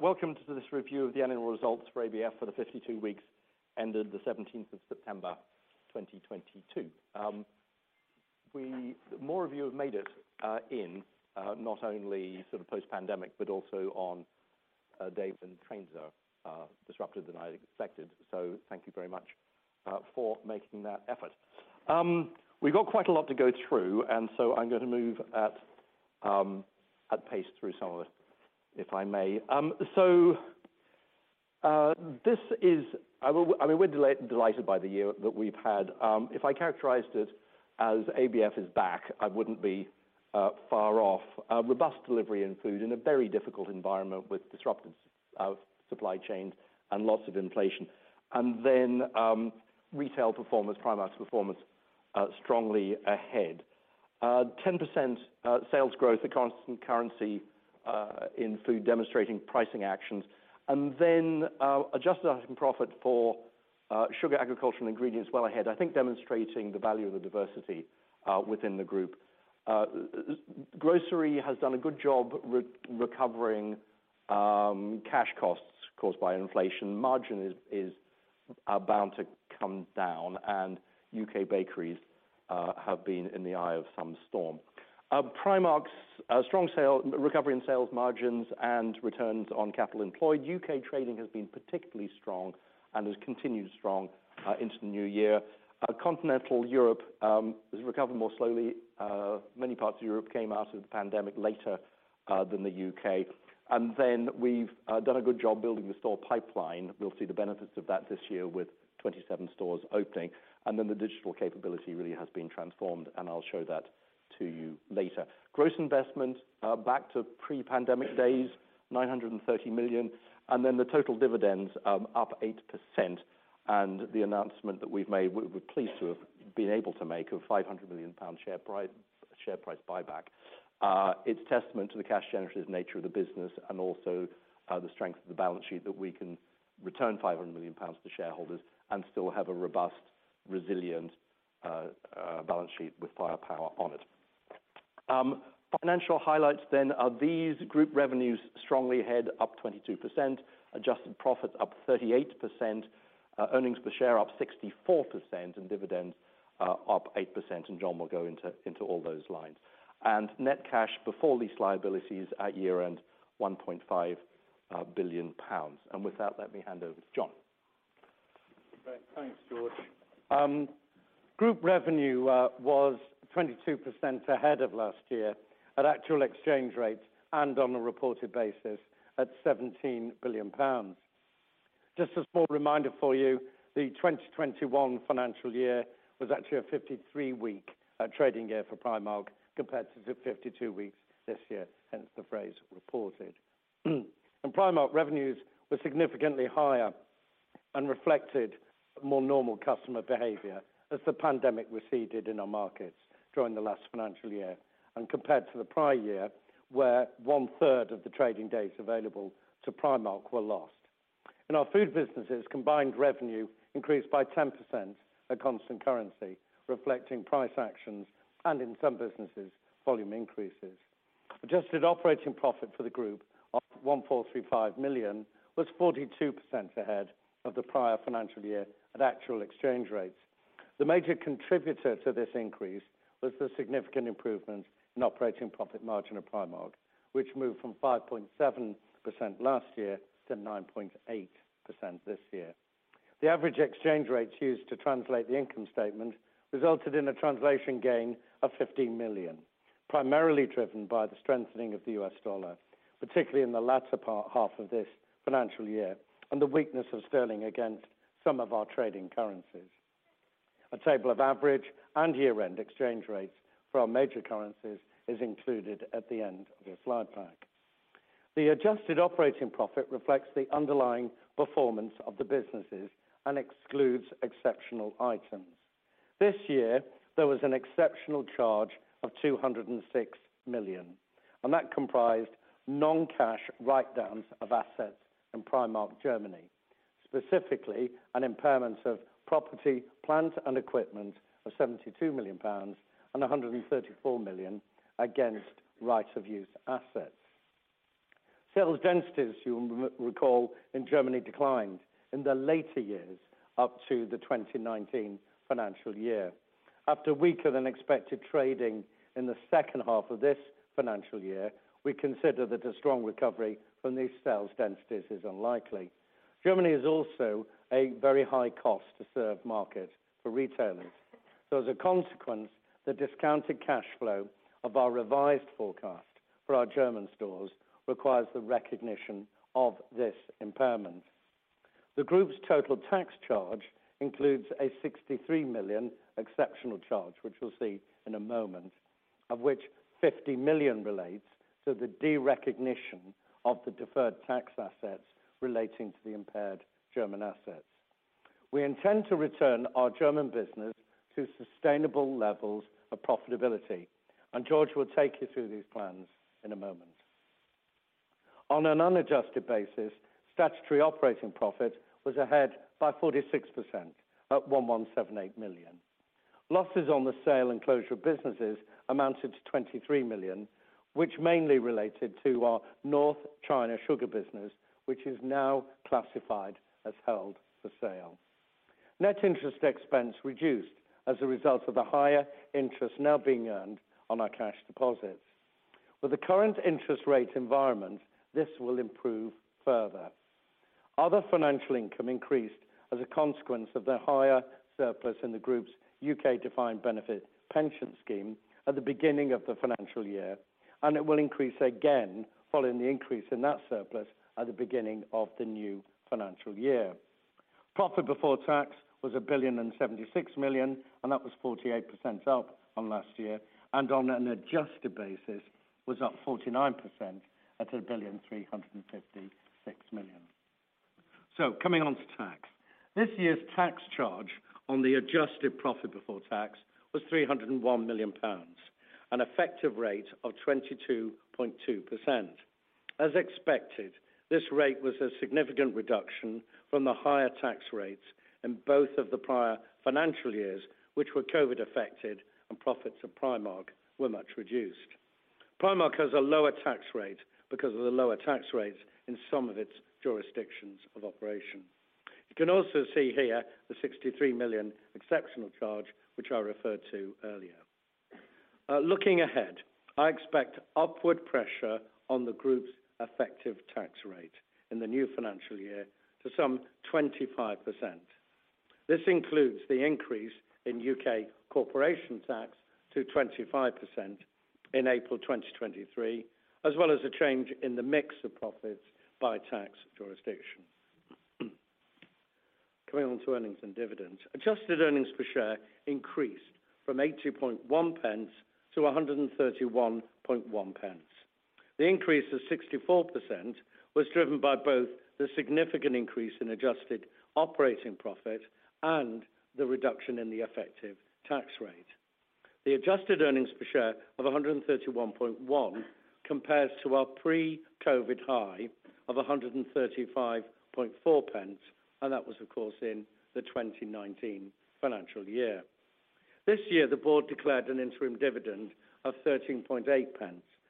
Welcome to this review of the annual results for ABF for the 52 weeks ended the 17th of September 2022. More of you have made it in, not only sort of post-pandemic, but also on a day when trains are disrupted than I expected. Thank you very much for making that effort. I'm going to move at pace through some of it, if I may. We're delighted by the year that we've had. If I characterized it as ABF is back, I wouldn't be far off. A robust delivery in food in a very difficult environment with disrupted supply chains and lots of inflation. Retail performance, Primark's performance, strongly ahead. 10% sales growth at constant currency in food demonstrating pricing actions, adjusted profit for sugar, agricultural, and ingredients well ahead, I think demonstrating the value of the diversity within the group. Grocery has done a good job recovering cash costs caused by inflation. Margin is bound to come down, U.K. bakeries have been in the eye of some storm. Primark's strong recovery in sales margins and returns on capital employed. U.K. trading has been particularly strong and has continued strong into the new year. Continental Europe has recovered more slowly. Many parts of Europe came out of the pandemic later than the U.K. We've done a good job building the store pipeline. We'll see the benefits of that this year with 27 stores opening. The digital capability really has been transformed, and I'll show that to you later. Gross investment back to pre-pandemic days, 930 million, the total dividends up 8%. The announcement that we've made, we're pleased to have been able to make a £500 million share price buyback. It's testament to the cash generative nature of the business and also the strength of the balance sheet that we can return £500 million to shareholders and still have a robust, resilient balance sheet with firepower on it. Financial highlights then are these group revenues strongly ahead, up 22%, adjusted profit up 38%, earnings per share up 64%, dividends up 8%, and John will go into all those lines. Net cash before these liabilities at year-end, £1.5 billion. With that, let me hand over to John. Great. Thanks, George. Group revenue was 22% ahead of last year at actual exchange rates and on a reported basis at £17 billion. Just a small reminder for you, the 2021 financial year was actually a 53-week trading year for Primark compared to the 52 weeks this year, hence the phrase reported. Primark revenues were significantly higher and reflected more normal customer behavior as the pandemic receded in our markets during the last financial year and compared to the prior year, where one-third of the trading days available to Primark were lost. In our food businesses, combined revenue increased by 10% at constant currency, reflecting price actions and, in some businesses, volume increases. Adjusted operating profit for the group of 1,435 million was 42% ahead of the prior financial year at actual exchange rates. The major contributor to this increase was the significant improvements in operating profit margin of Primark, which moved from 5.7% last year to 9.8% this year. The average exchange rates used to translate the income statement resulted in a translation gain of 15 million, primarily driven by the strengthening of the U.S. dollar, particularly in the latter part half of this financial year, and the weakness of sterling against some of our trading currencies. A table of average and year-end exchange rates for our major currencies is included at the end of your slide pack. The adjusted operating profit reflects the underlying performance of the businesses and excludes exceptional items. This year, there was an exceptional charge of 206 million, and that comprised non-cash write downs of assets in Primark Germany, specifically an impairment of property, plant, and equipment of GBP 72 million and 134 million pounds against right-of-use assets. Sales densities, you'll recall in Germany, declined in the later years up to the 2019 financial year. After weaker-than-expected trading in the second half of this financial year, we consider that a strong recovery from these sales densities is unlikely. Germany is also a very high cost to serve market for retailers. As a consequence, the discounted cash flow of our revised forecast for our German stores requires the recognition of this impairment. The group's total tax charge includes a 63 million exceptional charge, which we'll see in a moment, of which 50 million relates to the derecognition of the deferred tax assets relating to the impaired German assets. We intend to return our German business to sustainable levels of profitability, and George will take you through these plans in a moment. On an unadjusted basis, statutory operating profit was ahead by 46% at 1,178 million. Losses on the sale and closure of businesses amounted to 23 million, which mainly related to our North China sugar business, which is now classified as held for sale. Net interest expense reduced as a result of the higher interest now being earned on our cash deposits. With the current interest rate environment, this will improve further. Other financial income increased as a consequence of the higher surplus in the group's U.K. defined benefit pension scheme at the beginning of the financial year, and it will increase again following the increase in that surplus at the beginning of the new financial year. Profit before tax was 1,076 million, and that was 48% up on last year, and on an adjusted basis was up 49% at 1,356 million. Coming on to tax. This year's tax charge on the adjusted profit before tax was 301 million pounds, an effective rate of 22.2%. As expected, this rate was a significant reduction from the higher tax rates in both of the prior financial years, which were COVID affected and profits of Primark were much reduced. Primark has a lower tax rate because of the lower tax rates in some of its jurisdictions of operation. You can also see here the 63 million exceptional charge, which I referred to earlier. Looking ahead, I expect upward pressure on the group's effective tax rate in the new financial year to some 25%. This includes the increase in U.K. corporation tax to 25% in April 2023, as well as a change in the mix of profits by tax jurisdiction. Coming on to earnings and dividends. Adjusted earnings per share increased from 0.821 to 1.311. The increase of 64% was driven by both the significant increase in adjusted operating profit and the reduction in the effective tax rate. The adjusted earnings per share of 1.311 compares to our pre-COVID high of 1.354, and that was, of course, in the 2019 financial year. This year, the board declared an interim dividend of 0.138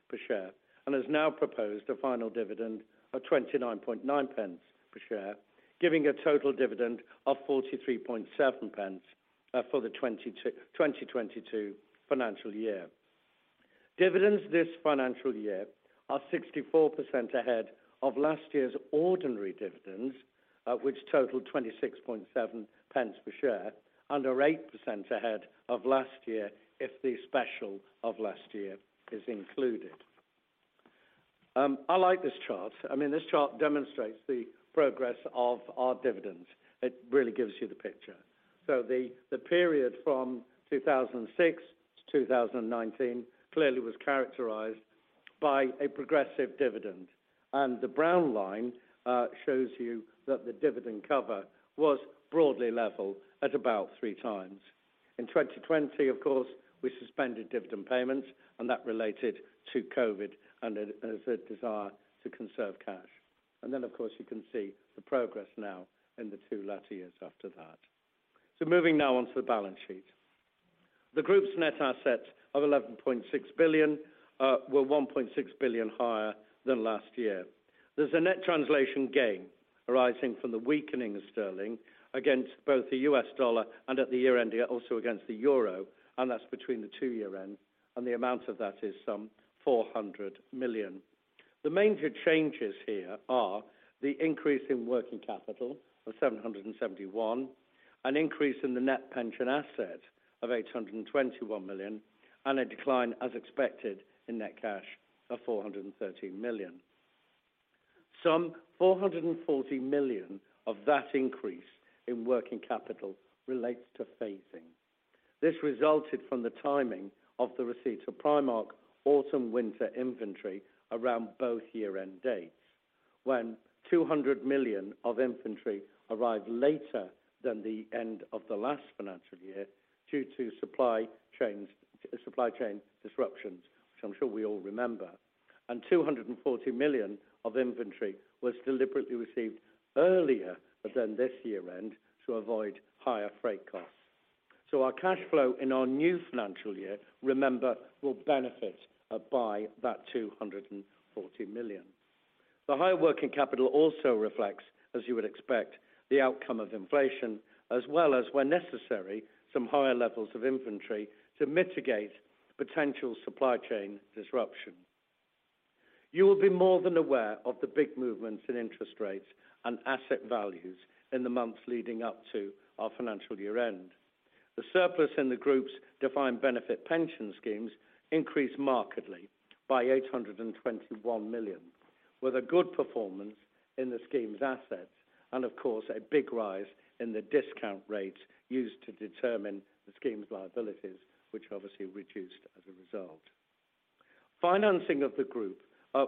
per share and has now proposed a final dividend of 0.299 per share, giving a total dividend of 0.437 for the 2022 financial year. Dividends this financial year are 64% ahead of last year's ordinary dividends, which totaled 0.267 per share, and are 8% ahead of last year if the special of last year is included. I like this chart. This chart demonstrates the progress of our dividends. It really gives you the picture. The period from 2006 to 2019 clearly was characterized by a progressive dividend, and the brown line shows you that the dividend cover was broadly level at about three times. In 2020, of course, we suspended dividend payments, that related to COVID and as a desire to conserve cash. Then, of course, you can see the progress now in the two latter years after that. Moving now on to the balance sheet. The group's net assets of 11.6 billion were 1.6 billion higher than last year. There's a net translation gain arising from the weakening of sterling against both the U.S. dollar and at the year end here also against the EUR, and that's between the two year end, and the amount of that is some 400 million. The major changes here are the increase in working capital of 771 million, an increase in the net pension asset of 821 million, and a decline, as expected, in net cash of 413 million. Some 440 million of that increase in working capital relates to phasing. This resulted from the timing of the receipt of Primark autumn/winter inventory around both year-end dates, when 200 million of inventory arrived later than the end of the last financial year due to supply chain disruptions, which I'm sure we all remember. 240 million of inventory was deliberately received earlier than this year end to avoid higher freight costs. Our cash flow in our new financial year, remember, will benefit by that 240 million. The higher working capital also reflects, as you would expect, the outcome of inflation, as well as, where necessary, some higher levels of inventory to mitigate potential supply chain disruption. You will be more than aware of the big movements in interest rates and asset values in the months leading up to our financial year end. The surplus in the group's defined benefit pension schemes increased markedly by 821 million, with a good performance in the scheme's assets and of course a big rise in the discount rates used to determine the scheme's liabilities, which obviously reduced as a result. Financing of the group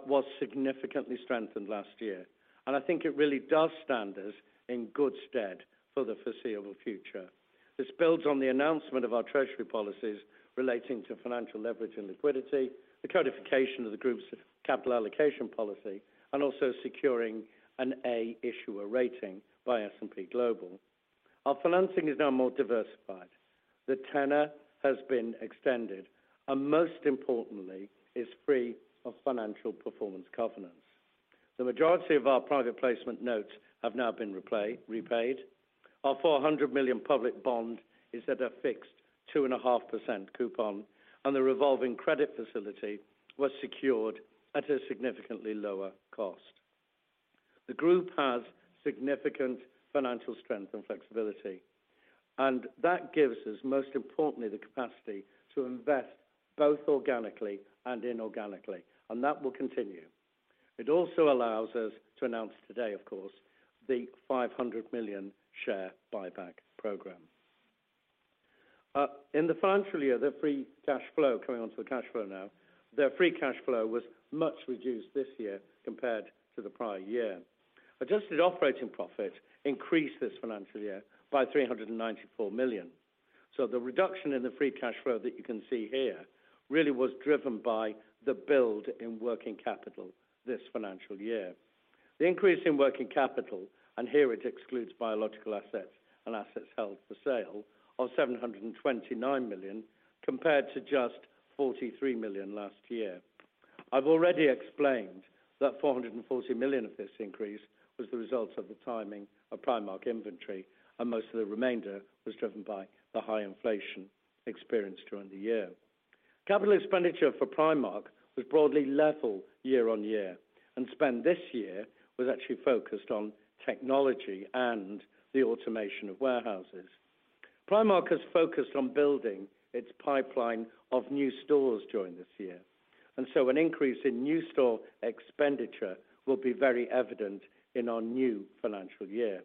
was significantly strengthened last year, I think it really does stand us in good stead for the foreseeable future. This builds on the announcement of our treasury policies relating to financial leverage and liquidity, the codification of the group's capital allocation policy, also securing an A issuer rating by S&P Global. Our financing is now more diversified. The tenor has been extended, most importantly, is free of financial performance covenants. The majority of our private placement notes have now been repaid. Our 400 million public bond is at a fixed 2.5% coupon, the revolving credit facility was secured at a significantly lower cost. The group has significant financial strength and flexibility, that gives us, most importantly, the capacity to invest both organically and inorganically, that will continue. Also allows us to announce today, of course, the 500 million share buyback program. In the financial year, the free cash flow, coming on to the cash flow now, the free cash flow was much reduced this year compared to the prior year. Adjusted operating profit increased this financial year by 394 million. The reduction in the free cash flow that you can see here really was driven by the build in working capital this financial year. The increase in working capital, here it excludes biological assets and assets held for sale, of 729 million, compared to just 43 million last year. I have already explained that 440 million of this increase was the result of the timing of Primark inventory, most of the remainder was driven by the high inflation experienced during the year. Capital expenditure for Primark was broadly level year on year, spend this year was actually focused on technology and the automation of warehouses. Primark has focused on building its pipeline of new stores during this year, an increase in new store expenditure will be very evident in our new financial year.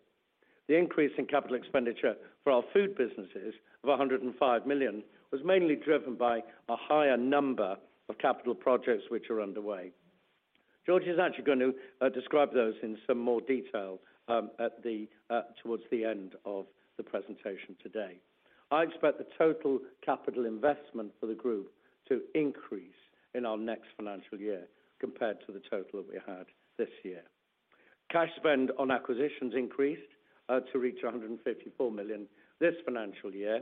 The increase in capital expenditure for our food businesses of 105 million was mainly driven by a higher number of capital projects which are underway. George is actually going to describe those in some more detail towards the end of the presentation today. I expect the total capital investment for the group to increase in our next financial year compared to the total that we had this year. Cash spend on acquisitions increased to reach 154 million this financial year.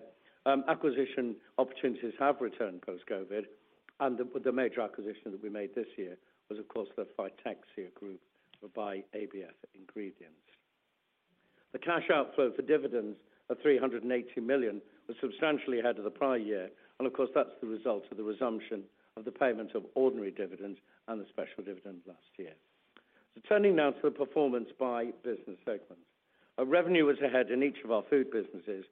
Acquisition opportunities have returned post-COVID, the major acquisition that we made this year was, of course, the Fytexia group by ABF Ingredients. The cash outflow for dividends of 380 million was substantially ahead of the prior year. Of course, that is the result of the resumption of the payment of ordinary dividends and the special dividends last year. Turning now to the performance by business segments. Our revenue was ahead in each of our food businesses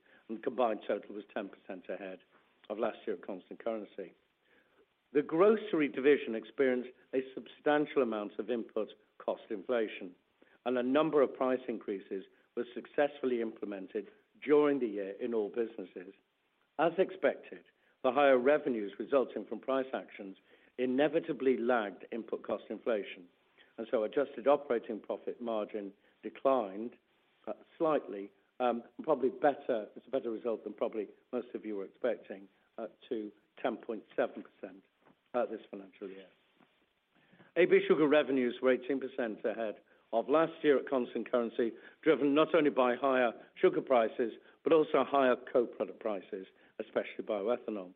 combined total was 10% ahead of last year at constant currency. The grocery division experienced a substantial amount of input cost inflation, a number of price increases were successfully implemented during the year in all businesses. As expected, the higher revenues resulting from price actions inevitably lagged input cost inflation, adjusted operating profit margin declined slightly. It is a better result than probably most of you were expecting, to 10.7% this financial year. AB Sugar revenues were 18% ahead of last year at constant currency, driven not only by higher sugar prices, also higher co-product prices, especially bioethanol.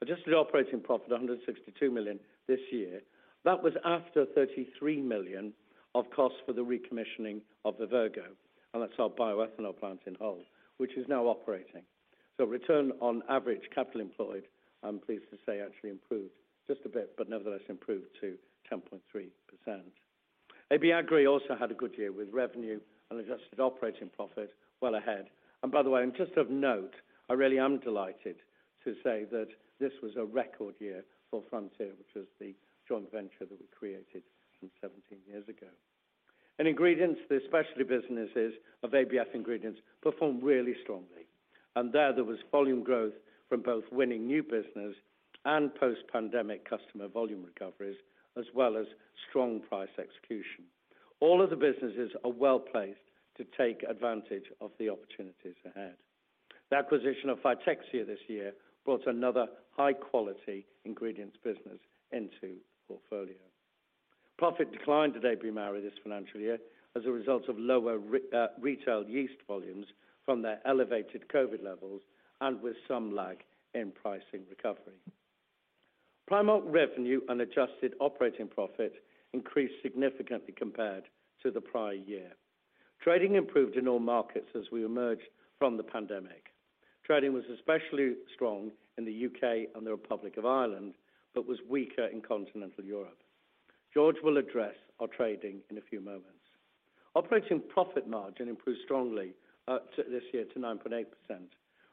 Adjusted operating profit, 162 million this year. That was after 33 million of costs for the recommissioning of the Vivergo, and that is our bioethanol plant in Hull, which is now operating. Return on average capital employed, I am pleased to say, actually improved just a bit, but nevertheless, improved to 10.3%. AB Agri also had a good year with revenue and adjusted operating profit well ahead. By the way, and just of note, I really am delighted to say that this was a record year for Frontier, which was the joint venture that we created some 17 years ago. In Ingredients, the specialty businesses of ABF Ingredients performed really strongly. There, there was volume growth from both winning new business and post-pandemic customer volume recoveries, as well as strong price execution. All of the businesses are well-placed to take advantage of the opportunities ahead. The acquisition of Fytexia this year brought another high-quality ingredients business into the portfolio. Profit declined at AB Mauri this financial year as a result of lower retail yeast volumes from their elevated COVID levels and with some lag in pricing recovery. Primark revenue and adjusted operating profit increased significantly compared to the prior year. Trading improved in all markets as we emerged from the pandemic. Trading was especially strong in the U.K. and the Republic of Ireland, but was weaker in continental Europe. George will address our trading in a few moments. Operating profit margin improved strongly this year to 9.8%,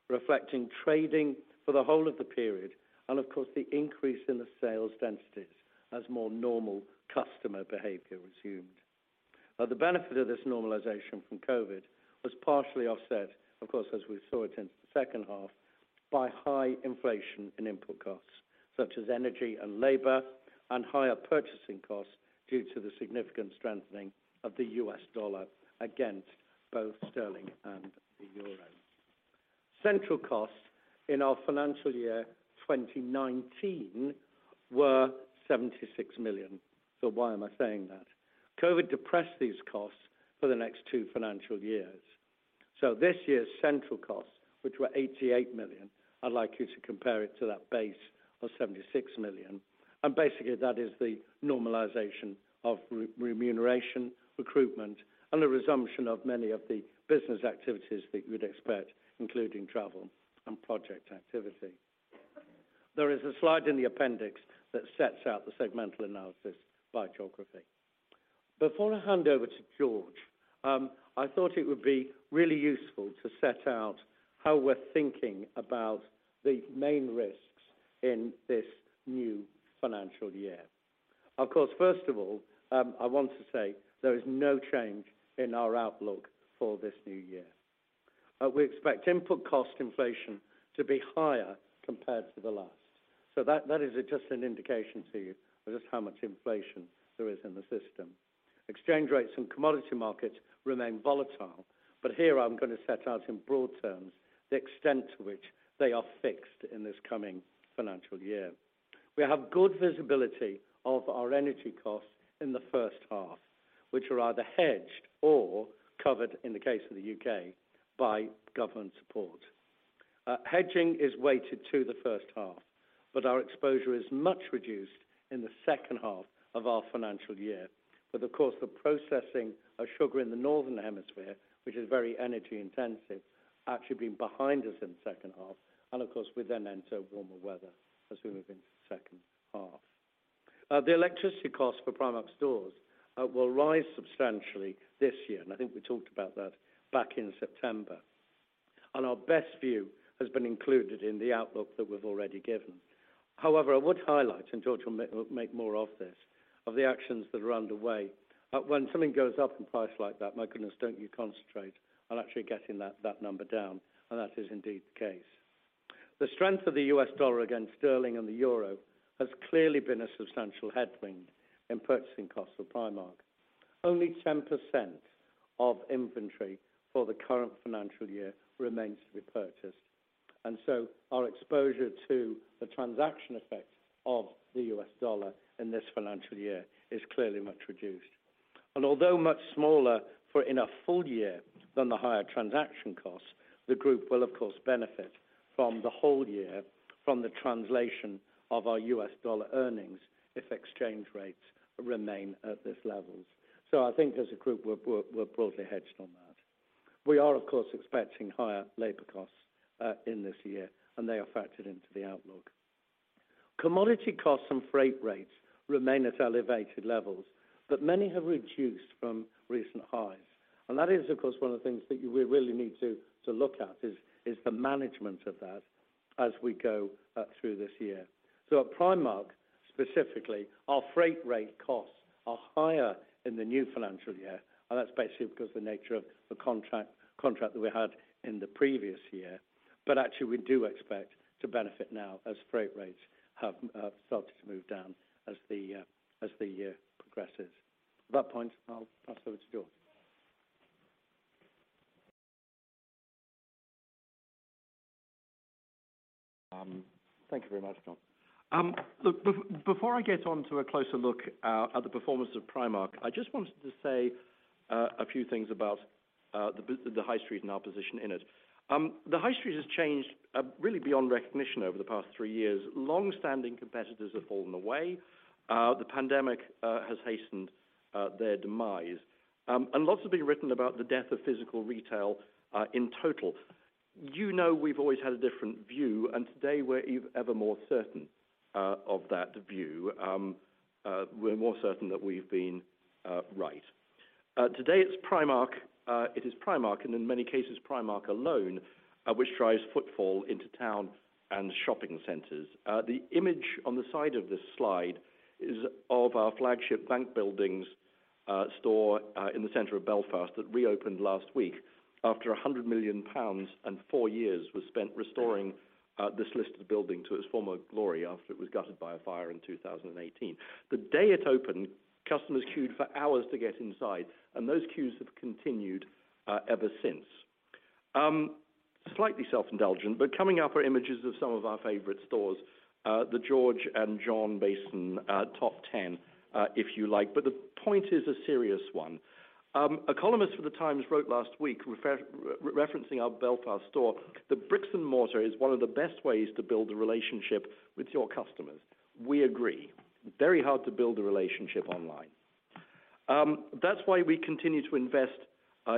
reflecting trading for the whole of the period and, of course, the increase in the sales densities as more normal customer behavior resumed. The benefit of this normalization from COVID was partially offset, of course, as we saw it into the second half, by high inflation in input costs such as energy and labor and higher purchasing costs due to the significant strengthening of the US dollar against both sterling and the euro. Central costs in our financial year 2019 were 76 million. Why am I saying that? COVID depressed these costs for the next two financial years. This year's central costs, which were 88 million, I would like you to compare it to that base of 76 million. Basically, that is the normalization of remuneration, recruitment, and the resumption of many of the business activities that you would expect, including travel and project activity. There is a slide in the appendix that sets out the segmental analysis by geography. Before I hand over to George, I thought it would be really useful to set out how we are thinking about the main risks in this new financial year. Of course, first of all, I want to say there is no change in our outlook for this new year. We expect input cost inflation to be higher compared to the last. That is just an indication to you of just how much inflation there is in the system. Exchange rates and commodity markets remain volatile, but here I am going to set out in broad terms the extent to which they are fixed in this coming financial year. We have good visibility of our energy costs in the first half, which are either hedged or covered, in the case of the U.K., by government support. Hedging is weighted to the first half, but our exposure is much reduced in the second half of our financial year. The processing of sugar in the northern hemisphere, which is very energy intensive, actually been behind us in the second half. We then enter warmer weather as we move into the second half. The electricity cost for Primark stores will rise substantially this year. I think we talked about that back in September. Our best view has been included in the outlook that we've already given. However, I would highlight, and George will make more of this, of the actions that are underway. When something goes up in price like that, my goodness, don't you concentrate on actually getting that number down? That is indeed the case. The strength of the US dollar against sterling and the euro has clearly been a substantial headwind in purchasing costs for Primark. Only 10% of inventory for the current financial year remains to be purchased. Our exposure to the transaction effect of the US dollar in this financial year is clearly much reduced. Although much smaller in a full year than the higher transaction costs, the group will of course benefit from the whole year from the translation of our US dollar earnings if exchange rates remain at these levels. I think as a group, we're broadly hedged on that. We are, of course, expecting higher labor costs in this year, and they are factored into the outlook. Commodity costs and freight rates remain at elevated levels, but many have reduced from recent highs. That is, of course, one of the things that we really need to look at is the management of that as we go through this year. At Primark, specifically, our freight rate costs are higher in the new financial year, and that's basically because of the nature of the contract that we had in the previous year. We do expect to benefit now as freight rates have started to move down as the year progresses. At that point, I'll pass over to George. Thank you very much, John. Before I get onto a closer look at the performance of Primark, I just wanted to say a few things about the high street and our position in it. The high street has changed really beyond recognition over the past three years. Long-standing competitors have fallen away. The pandemic has hastened their demise. Lots have been written about the death of physical retail in total. You know we've always had a different view. Today we're ever more certain of that view. We're more certain that we've been right. Today, it is Primark, and in many cases, Primark alone, which drives footfall into town and shopping centers. The image on the side of this slide is of our flagship Bank Buildings store in the center of Belfast that reopened last week after 100 million pounds and 4 years was spent restoring this listed building to its former glory after it was gutted by a fire in 2018. The day it opened, customers queued for hours to get inside, and those queues have continued ever since. Slightly self-indulgent, coming up are images of some of our favorite stores, the George and John Bason top 10, if you like. The point is a serious one. A columnist for The Times wrote last week, referencing our Belfast store, that bricks and mortar is one of the best ways to build a relationship with your customers. We agree. Very hard to build a relationship online. That's why we continue to invest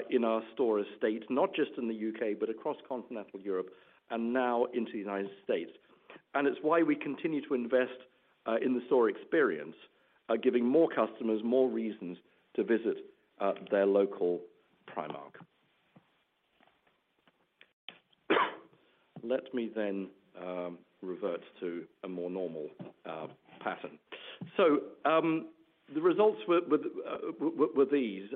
in our store estate, not just in the U.K., but across continental Europe and now into the U.S. It's why we continue to invest in the store experience, giving more customers more reasons to visit their local Primark. Let me then revert to a more normal pattern. The results were these.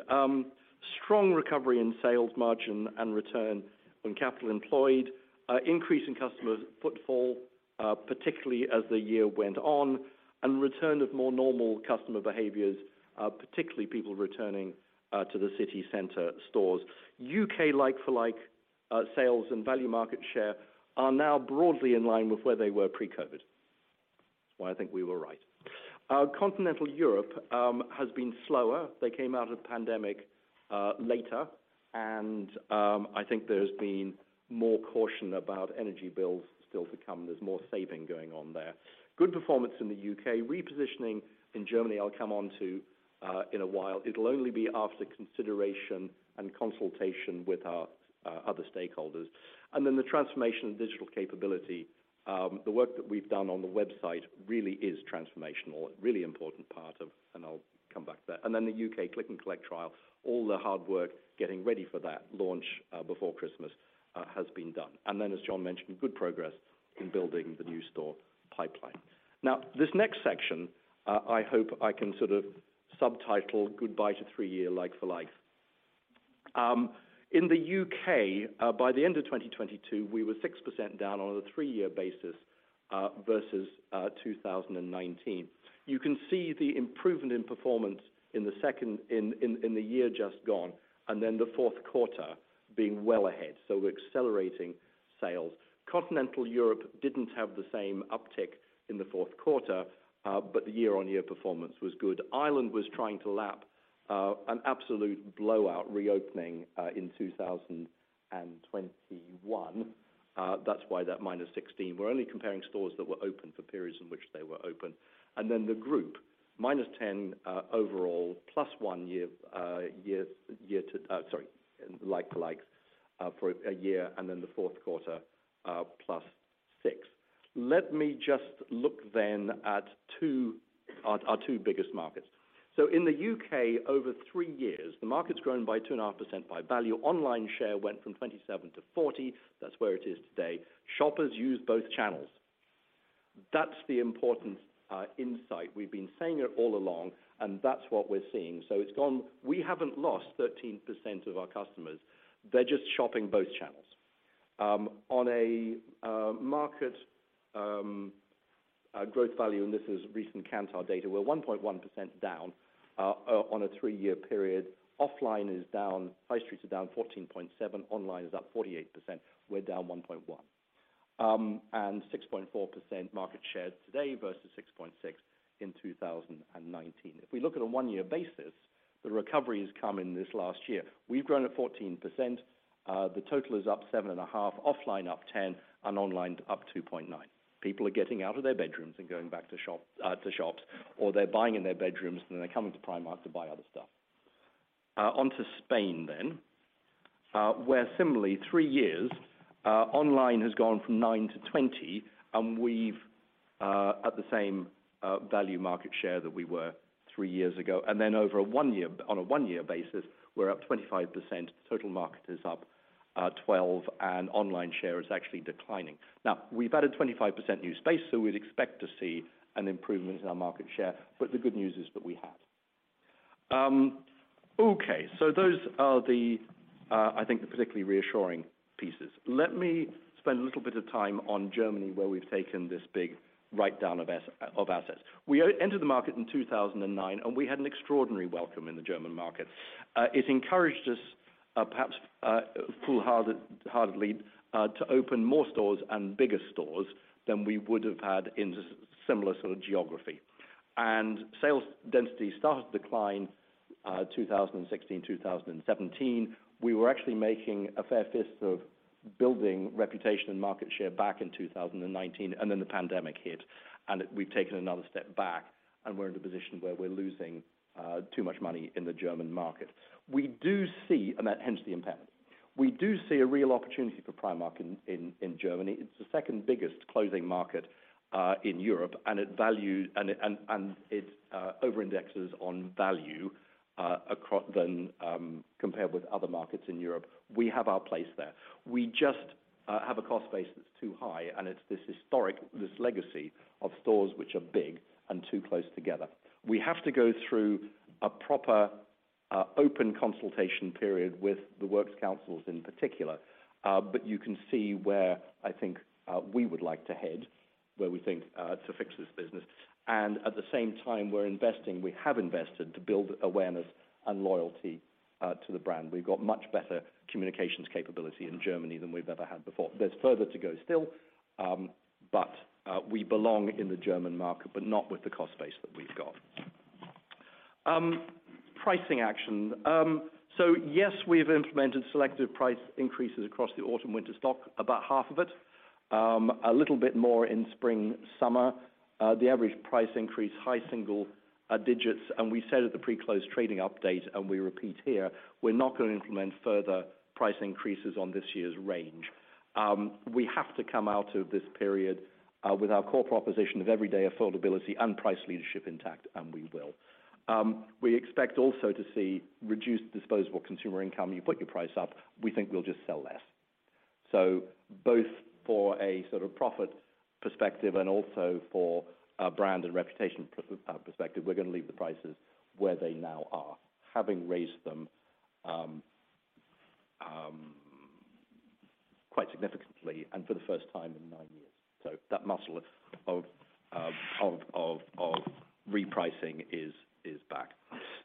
Strong recovery in sales margin and return on capital employed, increase in customer footfall, particularly as the year went on, and return of more normal customer behaviors, particularly people returning to the city center stores. U.K. like-for-like sales and value market share are now broadly in line with where they were pre-COVID. That's why I think we were right. Continental Europe has been slower. They came out of the pandemic later, and I think there's been more caution about energy bills still to come. There's more saving going on there. Good performance in the U.K. Repositioning in Germany, I'll come onto in a while. It'll only be after consideration and consultation with our other stakeholders. The transformation of digital capability. The work that we've done on the website really is transformational, a really important part, and I'll come back to that. The U.K. Click & Collect trial, all the hard work getting ready for that launch before Christmas has been done. As John mentioned, good progress in building the new store pipeline. This next section, I hope I can sort of subtitle Goodbye to 3-Year Like for Like. In the U.K., by the end of 2022, we were 6% down on a 3-year basis versus 2019. You can see the improvement in performance in the year just gone, and the fourth quarter being well ahead, so we're accelerating sales. Continental Europe didn't have the same uptick in the fourth quarter, but the year-on-year performance was good. Ireland was trying to lap an absolute blowout reopening in 2021. That's why that -16%. We're only comparing stores that were open for periods in which they were open. The group, -10% overall, sorry, +1% like to likes for a year and the fourth quarter, +6%. Let me just look then at our two biggest markets. In the U.K. over 3 years, the market's grown by 2.5% by value. Online share went from 27% to 40%. That's where it is today. Shoppers use both channels. That's the important insight. We've been saying it all along, and that's what we're seeing. We haven't lost 13% of our customers. They're just shopping both channels. On a market growth value, this is recent Kantar data, we're 1.1% down on a three-year period. Offline is down, high streets are down 14.7%, online is up 48%, we're down 1.1%. 6.4% market share today versus 6.6% in 2019. If we look at a one-year basis, the recovery has come in this last year. We've grown at 14%, the total is up 7.5%, offline up 10%, and online up 2.9%. People are getting out of their bedrooms and going back to shops, or they're buying in their bedrooms, and then they're coming to Primark to buy other stuff. On to Spain then, where similarly three years online has gone from 9% to 20%, and we're at the same value market share that we were three years ago. On a one-year basis, we're up 25%, the total market is up 12% and online share is actually declining. We've added 25% new space, so we'd expect to see an improvement in our market share, but the good news is that we have. Those are the, I think the particularly reassuring pieces. Let me spend a little bit of time on Germany, where we've taken this big write-down of assets. We entered the market in 2009, and we had an extraordinary welcome in the German market. It encouraged us, perhaps foolhardily, to open more stores and bigger stores than we would have had in similar sort of geography. Sales density started to decline 2016, 2017. We were actually making a fair fist of building reputation and market share back in 2019, and then the pandemic hit and we've taken another step back and we're in a position where we're losing too much money in the German market and hence the impairment. We do see a real opportunity for Primark in Germany. It's the second biggest clothing market in Europe, and it overindexes on value compared with other markets in Europe. We have our place there. We just have a cost base that's too high, and it's this historic, this legacy of stores which are big and too close together. We have to go through a proper open consultation period with the works councils in particular. You can see where I think we would like to head, where we think to fix this business. At the same time, we're investing, we have invested to build awareness and loyalty to the brand. We've got much better communications capability in Germany than we've ever had before. There's further to go still, but we belong in the German market, but not with the cost base that we've got. Pricing action. Yes, we've implemented selective price increases across the autumn-winter stock, about half of it. A little bit more in spring, summer. The average price increase, high single digits. We said at the pre-close trading update, and we repeat here, we're not going to implement further price increases on this year's range. We have to come out of this period with our core proposition of everyday affordability and price leadership intact, and we will. We expect also to see reduced disposable consumer income. You put your price up, we think we'll just sell less. Both for a sort of profit perspective and also for a brand and reputation perspective, we're going to leave the prices where they now are, having raised them quite significantly and for the first time in nine years. That muscle of repricing is back.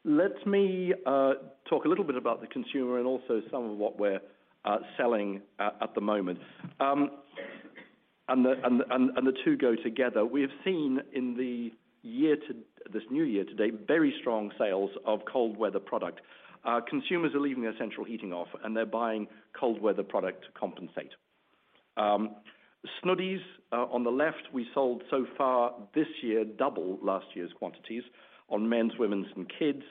Let me talk a little bit about the consumer and also some of what we're selling at the moment. The two go together. We have seen in this new year to date, very strong sales of cold weather product. Consumers are leaving their central heating off, and they're buying cold weather product to compensate. Snuddies, on the left, we sold so far this year double last year's quantities on men's, women's, and kids.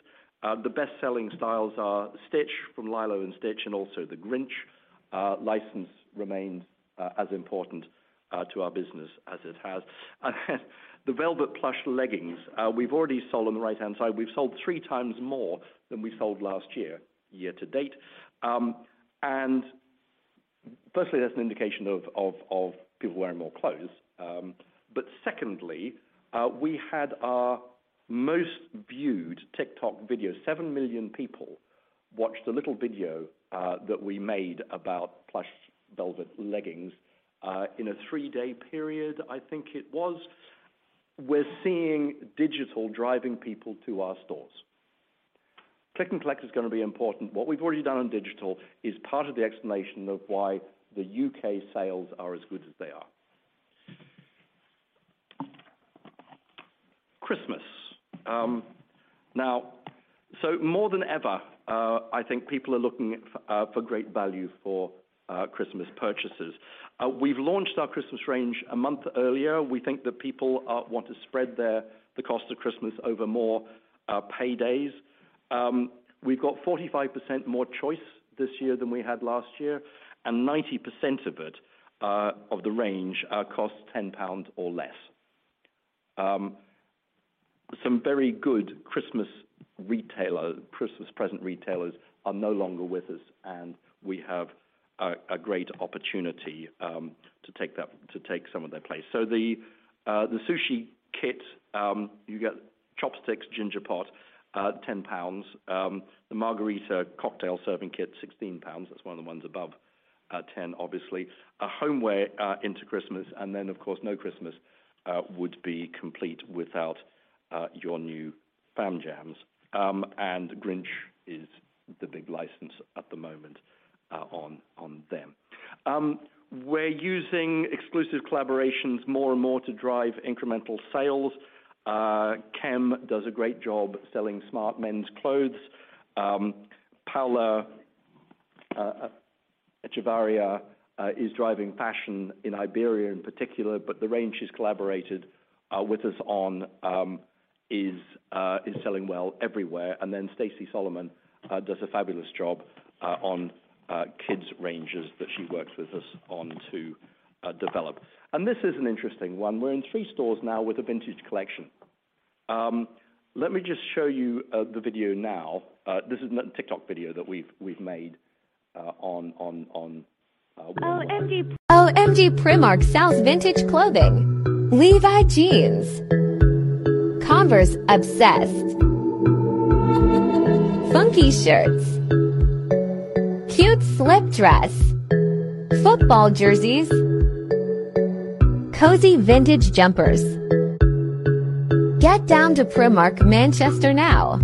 The best-selling styles are Stitch from Lilo & Stitch and also The Grinch. License remains as important to our business as it has. The velvet plush leggings we've already sold, on the right-hand side, we've sold three times more than we sold last year to date. Firstly, that's an indication of people wearing more clothes. Secondly, we had our most viewed TikTok video. 7 million people watched a little video that we made about plush velvet leggings in a three-day period, I think it was. We're seeing digital driving people to our stores. Click & Collect is going to be important. What we've already done on digital is part of the explanation of why the U.K. sales are as good as they are. Christmas. More than ever, I think people are looking for great value for Christmas purchases. We've launched our Christmas range a month earlier. We think that people want to spread the cost of Christmas over more paydays. We've got 45% more choice this year than we had last year, 90% of it, of the range, costs 10 pounds or less. Some very good Christmas present retailers are no longer with us, and we have a great opportunity to take some of their place. The sushi kit, you get chopsticks, ginger pot, 10 pounds. The margarita cocktail serving kit, 16 pounds. That's one of the ones above 10, obviously. A homeware into Christmas, then, of course, no Christmas would be complete without your new Fam Jams. The Grinch is the big license at the moment on them. We're using exclusive collaborations more and more to drive incremental sales. Kem does a great job selling smart men's clothes. Paula Echevarría is driving fashion in Iberia in particular, but the range she's collaborated with us on is selling well everywhere. Stacey Solomon does a fabulous job on kids' ranges that she works with us on to develop. This is an interesting one. We're in three stores now with a vintage collection. Let me just show you the video now. This is a TikTok video that we've made on one of our stores. OMG, Primark sells vintage clothing. Levi's jeans, Converse Obsessed, funky shirts, cute slip dress, football jerseys, cozy vintage jumpers. Get down to Primark Manchester now.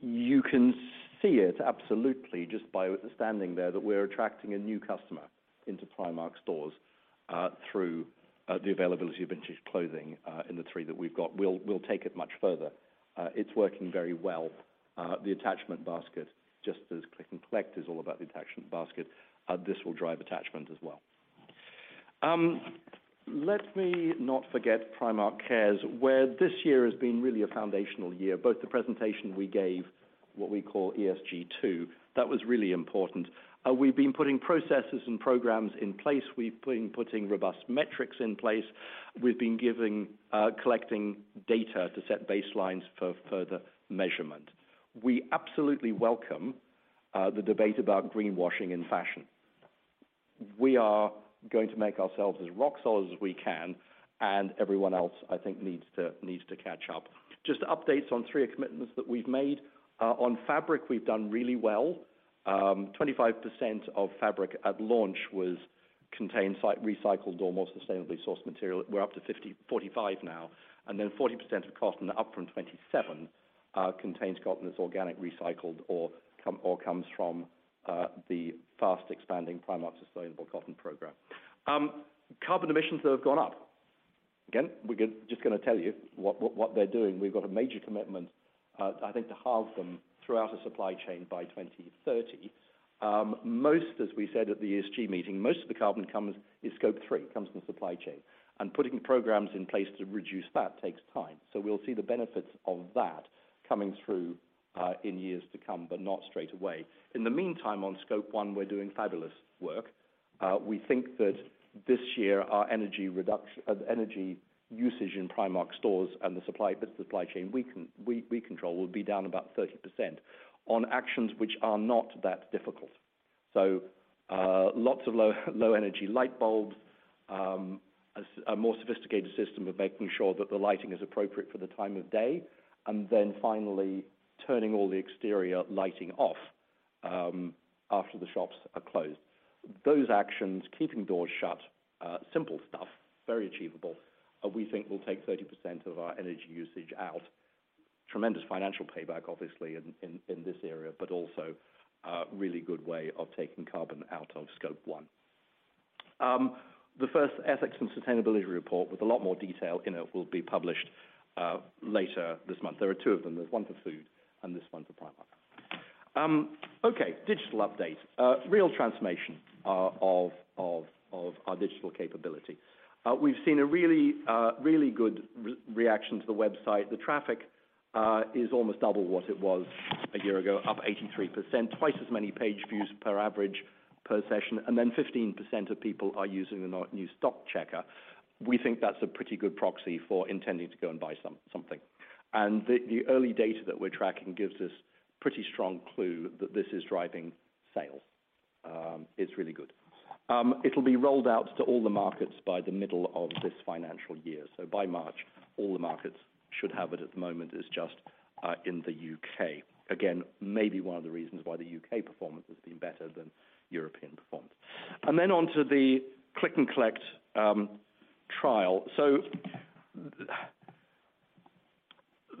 You can see it absolutely just by standing there that we're attracting a new customer into Primark stores through the availability of vintage clothing in the three that we've got. We'll take it much further. It's working very well. The attachment basket, just as Click & Collect is all about the attachment basket, this will drive attachment as well. Let me not forget Primark Cares, where this year has been really a foundational year. Both the presentation we gave, what we call ESG2, that was really important. We've been putting processes and programs in place. We've been putting robust metrics in place. We've been collecting data to set baselines for further measurement. We absolutely welcome the debate about greenwashing in fashion. Everyone else, I think, needs to catch up. Just updates on three commitments that we've made. On fabric, we've done really well. 25% of fabric at launch contained recycled or more sustainably sourced material. We're up to 45% now. Then 40% of cotton, up from 27%, contains cotton that's organic recycled or comes from the fast expanding Primark Sustainable Cotton Programme. Carbon emissions have gone up. Again, we're just going to tell you what they're doing. We've got a major commitment, I think, to halve them throughout the supply chain by 2030. Most, as we said at the ESG meeting, most of the carbon is Scope 3, comes from the supply chain. Putting programs in place to reduce that takes time. We'll see the benefits of that coming through in years to come, but not straight away. In the meantime, on Scope 1, we're doing fabulous work. We think that this year, our energy usage in Primark stores and the supply chain we control will be down about 30% on actions which are not that difficult. Lots of low energy light bulbs, a more sophisticated system of making sure that the lighting is appropriate for the time of day, finally turning all the exterior lighting off after the shops are closed. Those actions, keeping doors shut, simple stuff, very achievable, we think will take 30% of our energy usage out. Tremendous financial payback, obviously, in this area, but also a really good way of taking carbon out of Scope 1. The first ethics and sustainability report with a lot more detail in it will be published later this month. There are two of them. There's one for food and this one's for Primark. Okay, digital update. Real transformation of our digital capability. We've seen a really good reaction to the website. The traffic is almost double what it was a year ago, up 83%, twice as many page views per average per session, and 15% of people are using the new stock checker. We think that's a pretty good proxy for intending to go and buy something. The early data that we're tracking gives us pretty strong clue that this is driving sales. It's really good. It'll be rolled out to all the markets by the middle of this financial year. By March, all the markets should have it. At the moment, it's just in the U.K. Maybe one of the reasons why the U.K. performance has been better than European performance. Onto the Click & Collect trial.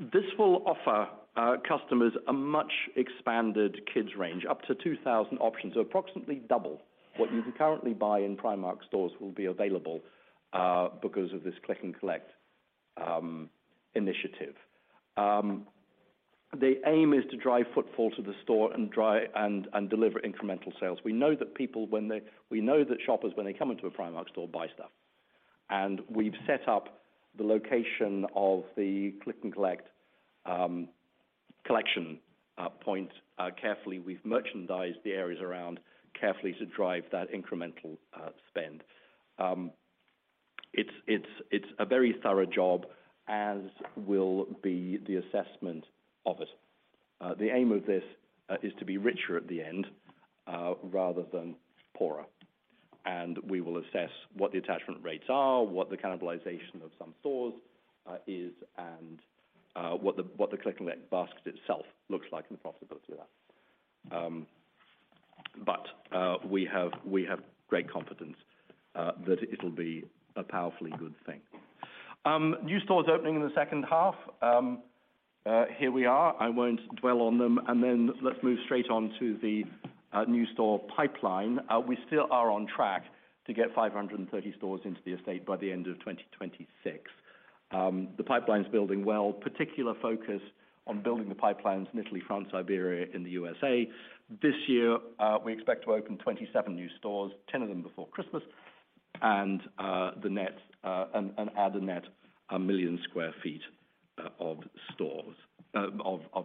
This will offer our customers a much expanded kids range, up to 2,000 options. Approximately double what you can currently buy in Primark stores will be available because of this Click & Collect initiative. The aim is to drive footfall to the store and deliver incremental sales. We know that shoppers, when they come into a Primark store, buy stuff. We've set up the location of the Click & Collect collection point carefully. We've merchandised the areas around carefully to drive that incremental spend. It's a very thorough job, as will be the assessment of it. The aim of this is to be richer at the end rather than poorer. We will assess what the attachment rates are, what the cannibalization of some stores is, and what the Click & Collect basket itself looks like and the profitability of that. We have great confidence that it'll be a powerfully good thing. New stores opening in the second half. Here we are. I won't dwell on them, let's move straight on to the new store pipeline. We still are on track to get 530 stores into the estate by the end of 2026. The pipeline's building well. Particular focus on building the pipelines in Italy, France, Iberia, and the U.S.A. This year, we expect to open 27 new stores, 10 of them before Christmas, and add a net, a million sq ft of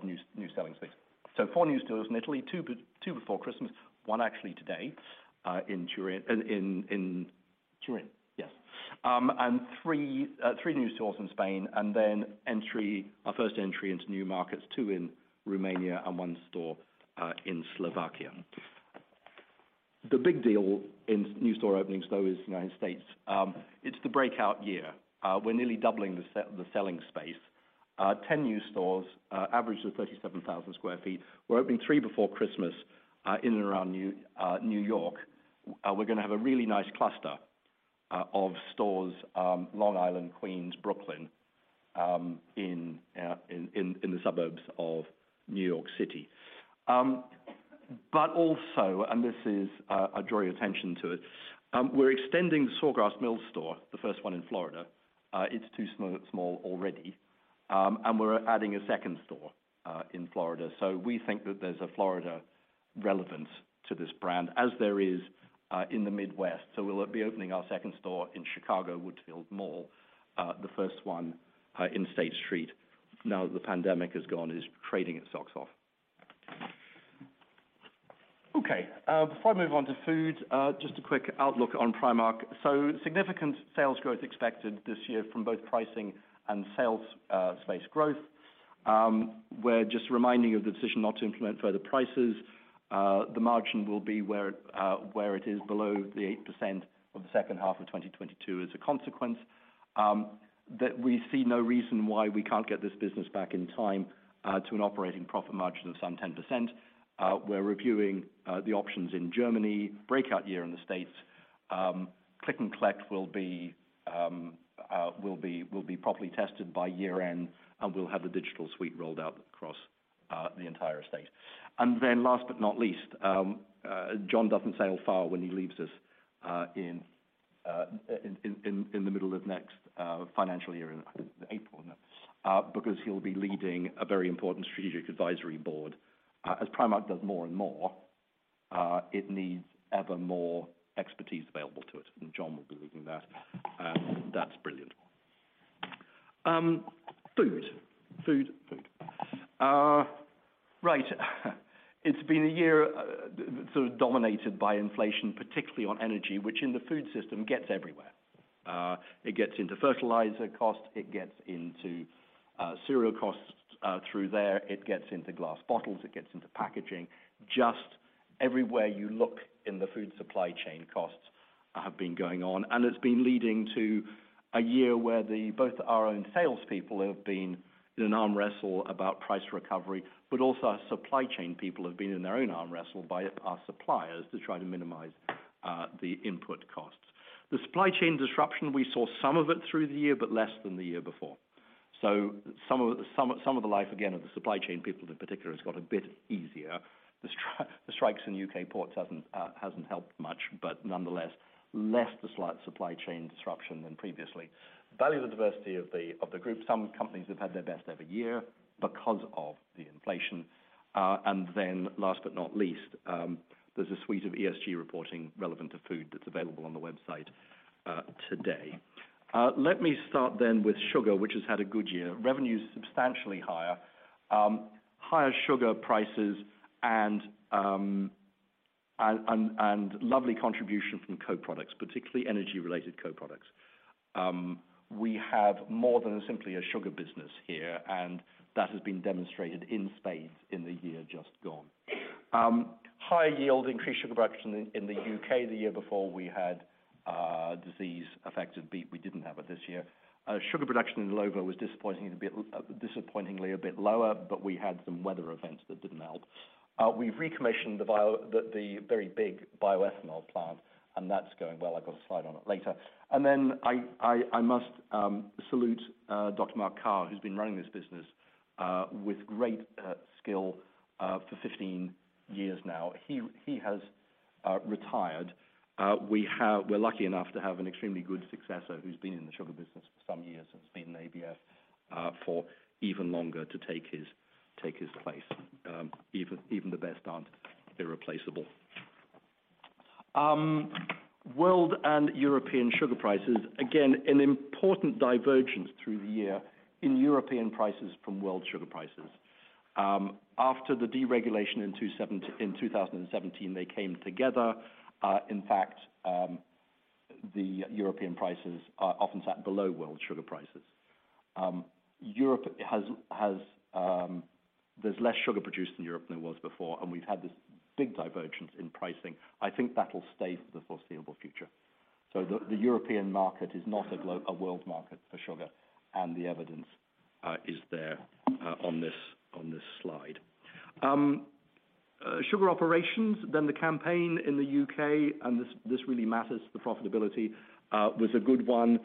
new selling space. four new stores in Italy, two before Christmas, one actually today in Turin. Yes. three new stores in Spain, our first entry into new markets, two in Romania and one store in Slovakia. The big deal in new store openings, though, is United States. It's the breakout year. We're nearly doubling the selling space. 10 new stores, average of 37,000 sq ft. We're opening three before Christmas in and around New York. We're going to have a really nice cluster of stores, Long Island, Queens, Brooklyn, in the suburbs of New York City. I draw your attention to it, we're extending the Sawgrass Mills store, the first one in Florida. It's too small already. We're adding a second store in Florida. We think that there's a Florida relevance to this brand, as there is in the Midwest. We'll be opening our second store in Chicago, Woodfield Mall, the first one in State Street. Now that the pandemic has gone, it is trading its socks off. Before I move on to food, just a quick outlook on Primark. Significant sales growth expected this year from both pricing and sales space growth. We're just reminding you of the decision not to implement further prices. The margin will be where it is below the 8% of the second half of 2022. As a consequence, we see no reason why we can't get this business back in time to an operating profit margin of some 10%. We're reviewing the options in Germany, breakout year in the U.S. Click & Collect will be properly tested by year-end, and we'll have the digital suite rolled out across the entire estate. Last but not least, John doesn't sail far when he leaves us in the middle of next financial year in April because he'll be leading a very important strategic advisory board. As Primark does more and more, it needs ever more expertise available to it, John will be leading that. That's brilliant. Food. Right. It's been a year sort of dominated by inflation, particularly on energy, which in the food system gets everywhere. It gets into fertilizer costs, it gets into cereal costs through there, it gets into glass bottles, it gets into packaging. Just everywhere you look in the food supply chain, costs have been going on. It's been leading to a year where both our own salespeople have been in an arm wrestle about price recovery, but also our supply chain people have been in their own arm wrestle by our suppliers to try to minimize the input costs. The supply chain disruption, we saw some of it through the year, but less than the year before. Some of the life, again, of the supply chain people in particular, has got a bit easier. The strikes in U.K. ports hasn't helped much, but nonetheless, less the slight supply chain disruption than previously. Value and diversity of the group. Some companies have had their best ever year because of the inflation. Last but not least, there's a suite of ESG reporting relevant to food that's available on the website today. Let me start then with sugar, which has had a good year. Revenue is substantially higher. Higher sugar prices and lovely contribution from co-products, particularly energy-related co-products. We have more than simply a sugar business here, and that has been demonstrated in spades in the year just gone. High yield increased sugar production in the U.K. The year before we had disease-affected beet, we didn't have it this year. Sugar production in Illovo was disappointingly a bit lower, but we had some weather events that didn't help. We've recommissioned the very big bioethanol plant, and that's going well. I've got a slide on it later. I must salute Dr. Mark Carr, who's been running this business with great skill for 15 years now. He has retired. We're lucky enough to have an extremely good successor who's been in the sugar business for some years and has been in ABF for even longer to take his place. Even the best aren't irreplaceable. World and European sugar prices, again, an important divergence through the year in European prices from world sugar prices. After the deregulation in 2017, they came together. In fact, the European prices are often sat below world sugar prices. There's less sugar produced in Europe than there was before, and we've had this big divergence in pricing. I think that'll stay for the foreseeable future. The European market is not a world market for sugar, and the evidence is there on this slide. Sugar operations, then the campaign in the U.K., this really matters to profitability, was a good one.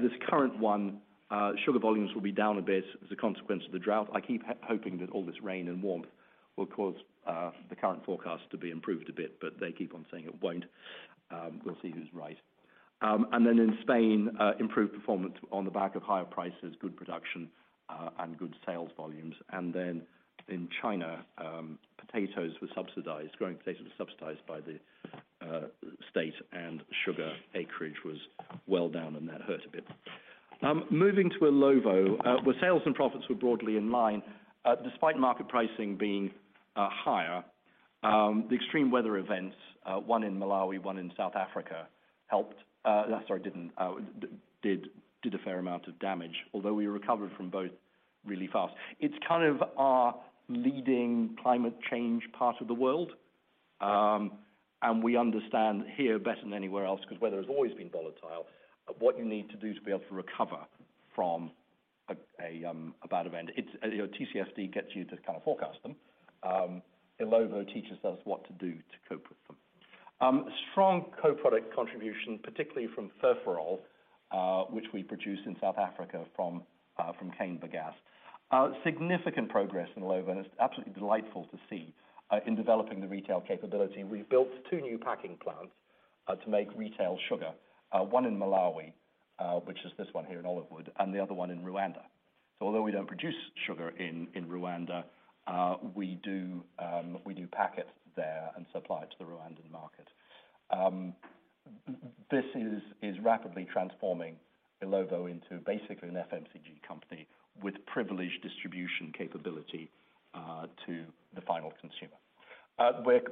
This current one, sugar volumes will be down a bit as a consequence of the drought. I keep hoping that all this rain and warmth will cause the current forecast to be improved a bit, but they keep on saying it won't. We'll see who's right. Then in Spain, improved performance on the back of higher prices, good production, and good sales volumes. Then in China, growing potatoes were subsidized by the state, and sugar acreage was well down, and that hurt a bit. Moving to Illovo, where sales and profits were broadly in line, despite market pricing being higher. The extreme weather events, one in Malawi, one in South Africa, did a fair amount of damage, although we recovered from both really fast. It's kind of our leading climate change part of the world. We understand here better than anywhere else, because weather has always been volatile, what you need to do to be able to recover from a bad event. TCFD gets you to kind of forecast them. Illovo teaches us what to do to cope with them. Strong co-product contribution, particularly from furfural, which we produce in South Africa from cane bagasse. Significant progress in Illovo, and it's absolutely delightful to see in developing the retail capability. We built two new packing plants to make retail sugar, one in Malawi, which is this one here in Olivewood, and the other one in Rwanda. Although we don't produce sugar in Rwanda, we do pack it there and supply it to the Rwandan market. This is rapidly transforming Illovo into basically an FMCG company with privileged distribution capability to the final consumer.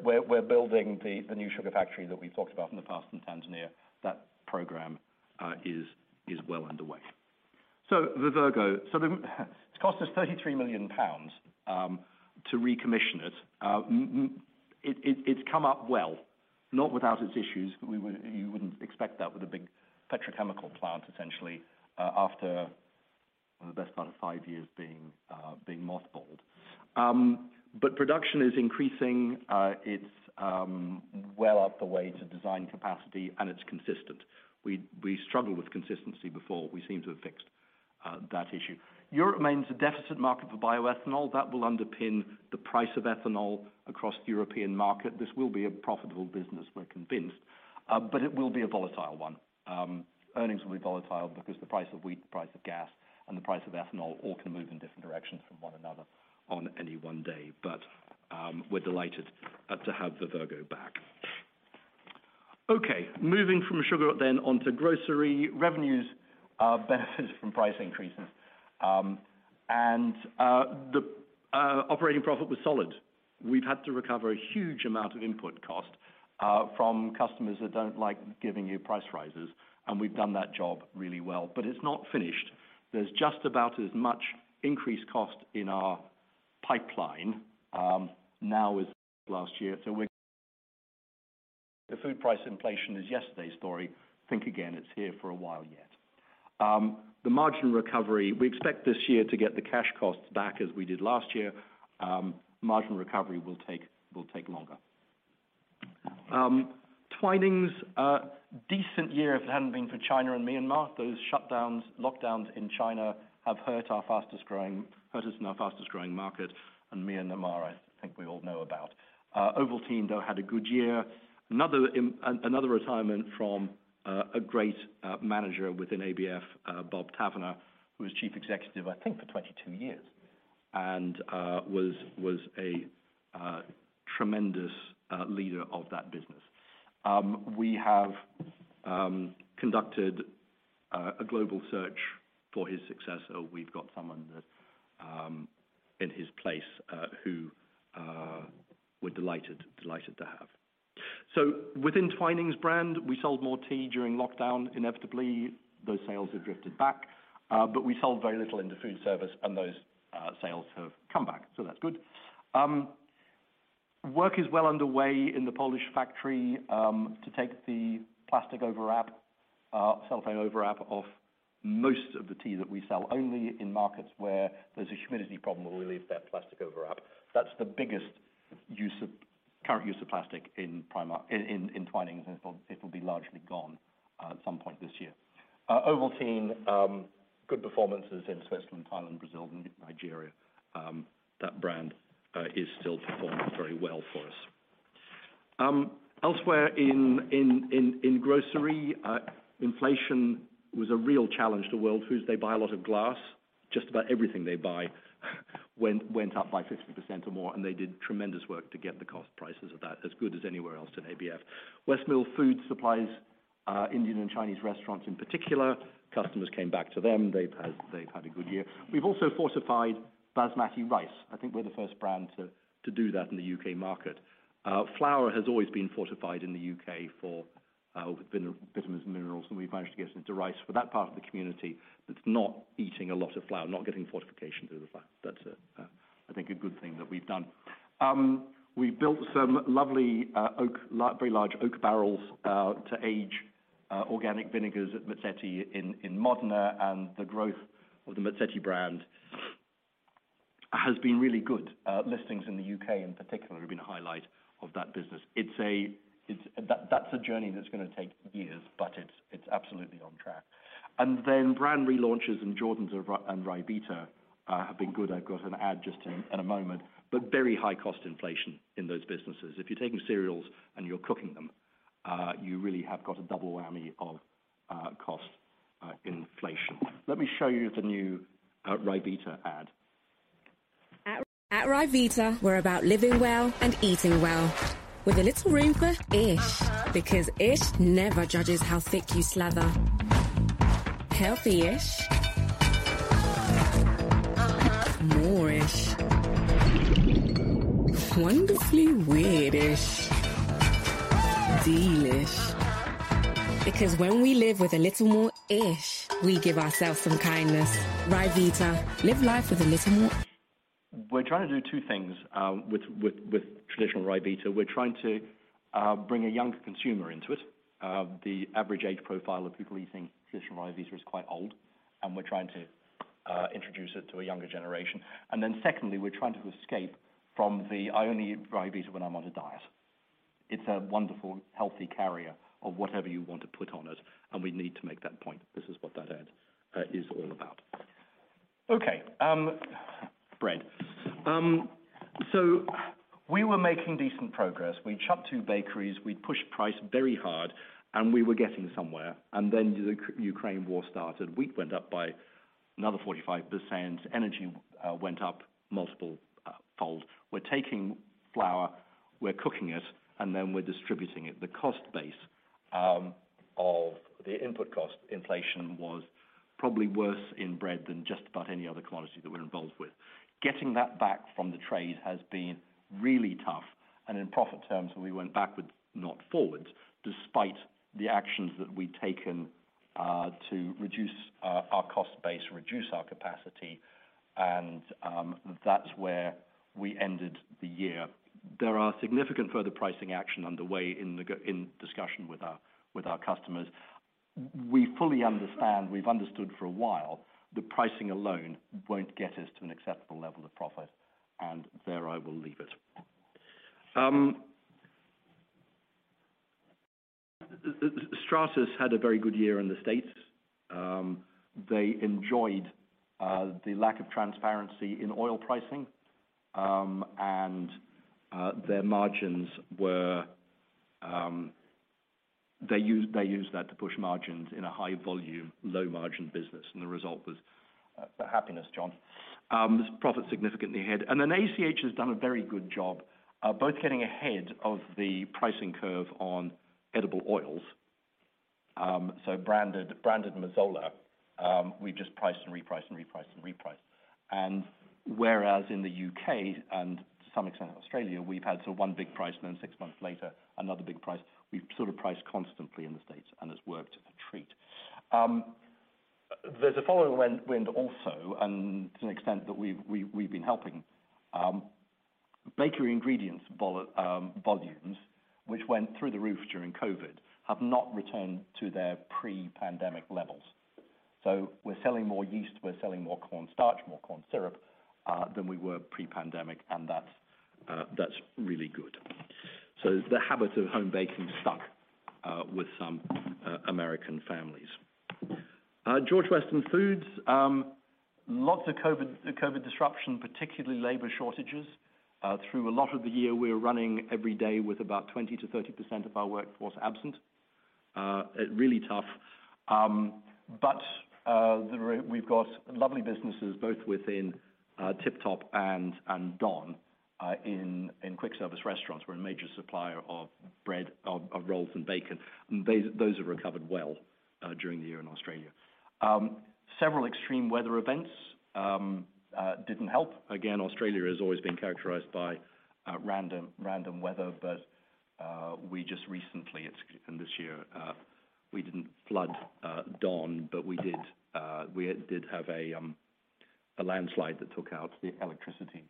We're building the new sugar factory that we've talked about in the past in Tanzania. That program is well underway. Vivergo, it cost us 33 million pounds to recommission it. It's come up well, not without its issues, but you wouldn't expect that with a big petrochemical plant, essentially, after the best part of five years being mothballed. Production is increasing. It's well up the way to design capacity, and it's consistent. We struggled with consistency before. We seem to have fixed that issue. Europe remains a deficit market for bioethanol. That will underpin the price of ethanol across the European market. This will be a profitable business, we're convinced, but it will be a volatile one. Earnings will be volatile because the price of wheat, the price of gas, and the price of ethanol all can move in different directions from one another on any one day. We're delighted to have Vivergo back. Okay, moving from sugar then onto grocery. Revenues benefit from price increases, the operating profit was solid. We've had to recover a huge amount of input cost from customers that don't like giving you price rises, we've done that job really well. It's not finished. There's just about as much increased cost in our pipeline now as last year. The food price inflation is yesterday's story. Think again, it's here for a while yet. The margin recovery, we expect this year to get the cash costs back as we did last year. Margin recovery will take longer. Twinings, a decent year if it hadn't been for China and Myanmar. Those shutdowns, lockdowns in China have hurt us in our fastest-growing market. Myanmar, I think we all know about. Ovaltine, though, had a good year. Another retirement from a great manager within ABF, Bob Tavener, who was chief executive, I think, for 22 years, and was a tremendous leader of that business. We have conducted a global search for his successor. We've got someone in his place who we're delighted to have. Within Twinings brand, we sold more tea during lockdown. Inevitably, those sales have drifted back. We sold very little into food service and those sales have come back, so that's good. Work is well underway in the Polish factory to take the plastic overwrap, cellophane overwrap, off most of the tea that we sell. Only in markets where there's a humidity problem will we leave that plastic overwrap. That's the biggest current use of plastic in Twinings, and it'll be largely gone at some point this year. Ovaltine, good performances in Switzerland, Thailand, Brazil, and Nigeria. That brand is still performing very well for us. Elsewhere in grocery, inflation was a real challenge to World Foods. They buy a lot of glass. Just about everything they buy went up by 50% or more, and they did tremendous work to get the cost prices of that as good as anywhere else in ABF. Westmill Foods supplies Indian and Chinese restaurants in particular. Customers came back to them. They've had a good year. We've also fortified Basmati rice. I think we're the first brand to do that in the U.K. market. Flour has always been fortified in the U.K. for vitamins and minerals. We've managed to get it into rice for that part of the community that's not eating a lot of flour, not getting fortification through the flour. That's, I think, a good thing that we've done. We built some lovely, very large oak barrels to age organic vinegars at Mazzetti in Modena, and the growth of the Mazzetti brand has been really good. Listings in the U.K., in particular, have been a highlight of that business. That's a journey that's going to take years, but it's absolutely on track. Then brand relaunches in Jordans and Ryvita have been good. I've got an ad just in a moment, very high cost inflation in those businesses. If you're taking cereals and you're cooking them, you really have got a double whammy of cost inflation. Let me show you the new Ryvita ad. At Ryvita, we're about living well and eating well with a little room for ish. Because ish never judges how thick you slather. Healthy-ish. More-ish. Wonderfully weird-ish. Delish. Because when we live with a little more ish, we give ourselves some kindness. Ryvita, live life with a little more. We're trying to do two things with traditional Ryvita. We're trying to bring a younger consumer into it. The average age profile of people eating traditional Ryvita is quite old, and we're trying to introduce it to a younger generation. Secondly, we're trying to escape from the, "I only eat Ryvita when I'm on a diet." It's a wonderful, healthy carrier of whatever you want to put on it, and we need to make that point. This is what that ad is all about. Okay. Bread. We were making decent progress. We'd shut two bakeries, we'd pushed price very hard, and we were getting somewhere. The Ukraine war started. Wheat went up by another 45%, energy went up multiple fold. We're taking flour, we're cooking it, we're distributing it. The cost base of the input cost inflation was probably worse in bread than just about any other commodity that we're involved with. Getting that back from the trade has been really tough. In profit terms, we went backwards, not forwards, despite the actions that we'd taken to reduce our cost base, reduce our capacity, and that's where we ended the year. There are significant further pricing action underway in discussion with our customers. We fully understand, we've understood for a while that pricing alone won't get us to an acceptable level of profit, and there I will leave it. Stratas had a very good year in the U.S. They enjoyed the lack of transparency in oil pricing. They used that to push margins in a high volume, low margin business, and the result was happiness, John. Profit significantly ahead. ACH has done a very good job both getting ahead of the pricing curve on edible oils, branded Mazola we've just priced and repriced and repriced and repriced. Whereas in the U.K., and to some extent Australia, we've had sort of one big price and then 6 months later, another big price. We've sort of priced constantly in the U.S., and it's worked a treat. There's a following wind also, and to an extent that we've been helping. Bakery ingredients volumes, which went through the roof during COVID, have not returned to their pre-pandemic levels. We're selling more yeast, we're selling more corn starch, more corn syrup, than we were pre-pandemic, and that's really good. The habit of home baking stuck with some American families. George Weston Foods, lots of COVID disruption, particularly labor shortages. Through a lot of the year, we were running every day with about 20%-30% of our workforce absent. Really tough. We've got lovely businesses both within Tip Top and Don. In quick service restaurants, we're a major supplier of bread, of rolls, and bacon. Those have recovered well during the year in Australia. Australia has always been characterized by random weather, but we just recently, in this year, we didn't flood Don, but we did have a landslide that took out the electricity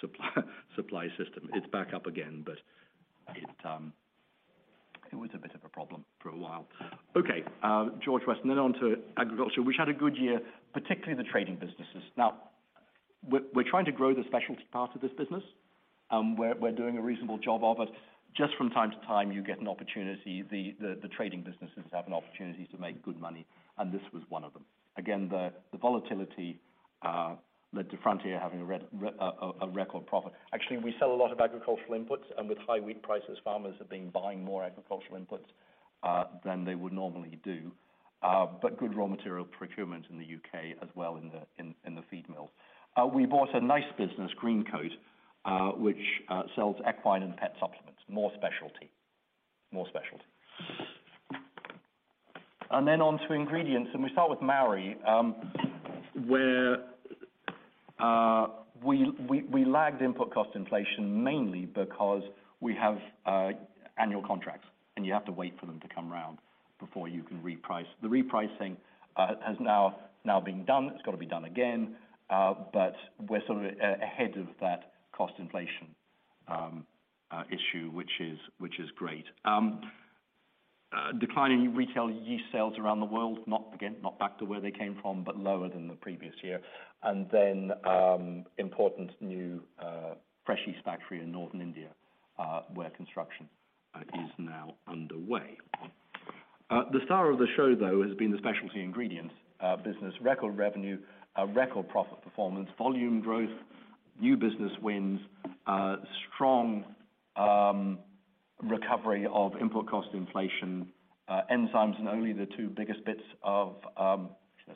supply system. It's back up again, but it was a bit of a problem for a while. George Weston. On to agriculture. We just had a good year, particularly the trading businesses. We're trying to grow the specialty part of this business. We're doing a reasonable job of it. From time to time you get an opportunity, the trading businesses have an opportunity to make good money, and this was one of them. The volatility led to Frontier Agriculture having a record profit. We sell a lot of agricultural inputs, and with high wheat prices, farmers have been buying more agricultural inputs than they would normally do. Good raw material procurement in the U.K. as well in the feed mill. We bought a nice business, Greencoat, which sells equine and pet supplements. More specialty. On to Ingredients, we start with AB Mauri, where we lagged input cost inflation, mainly because we have annual contracts, and you have to wait for them to come round before you can reprice. The repricing has now been done. It's got to be done again. We're sort of ahead of that cost inflation issue, which is great. Declining retail yeast sales around the world, not back to where they came from, but lower than the previous year. Important new fresh yeast factory in Northern India, where construction is now underway. The star of the show, though, has been the specialty ingredients business. Record revenue, record profit performance, volume growth, new business wins, strong recovery of input cost inflation. Enzymes and only the two biggest. That's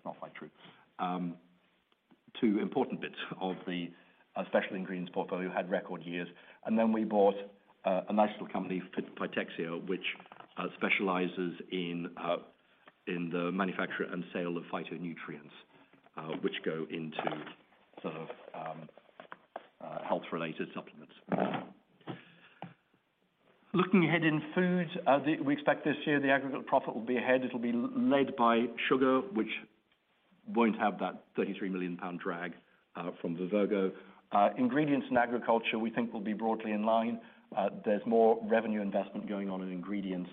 not quite true. Two important bits of the Specialty Ingredients portfolio had record years. We bought a nice little company, Fytexia, which specializes in the manufacture and sale of phytonutrients, which go into health related supplements. Looking ahead in Food, we expect this year the aggregate profit will be ahead. It'll be led by sugar, which won't have that 33 million pound drag from Vivergo. Ingredients and agriculture we think will be broadly in line. There's more revenue investment going on in Ingredients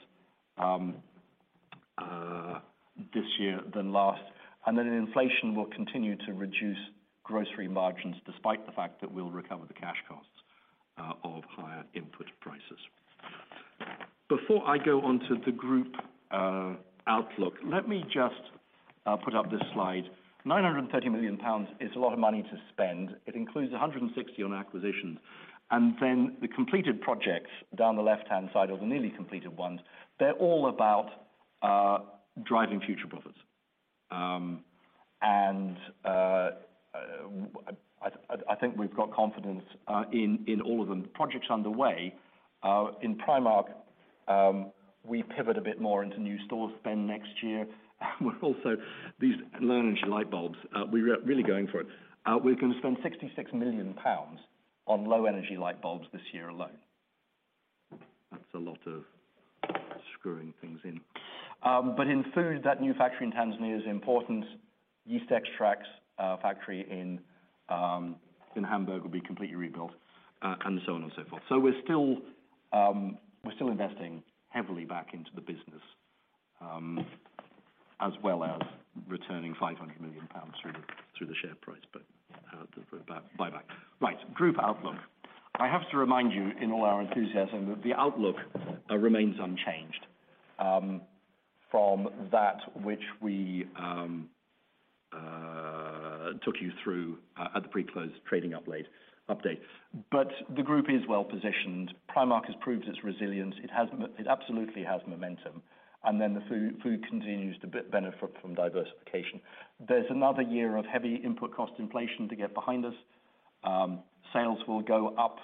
this year than last. Inflation will continue to reduce grocery margins, despite the fact that we'll recover the cash costs of higher input prices. Before I go on to the group outlook, let me just put up this slide. 930 million pounds is a lot of money to spend. It includes 160 million on acquisitions. The completed projects down the left-hand side, or the nearly completed ones, they're all about driving future profits. I think we've got confidence in all of them. Projects underway in Primark, we pivot a bit more into new store spend next year, we're also these low energy light bulbs. We're really going for it. We're going to spend 66 million pounds on low energy light bulbs this year alone. That's a lot of screwing things in. In Food, that new factory in Tanzania is important. Yeast extracts factory in Hamburg will be completely rebuilt, and so on and so forth. We are still investing heavily back into the business, as well as returning 500 million pounds through the share price, but the buyback. Group outlook. I have to remind you, in all our enthusiasm, that the outlook remains unchanged from that which we took you through at the pre-close trading update. The group is well positioned. Primark has proved its resilience. It absolutely has momentum. The Food continues to benefit from diversification. There is another year of heavy input cost inflation to get behind us. Sales will go up,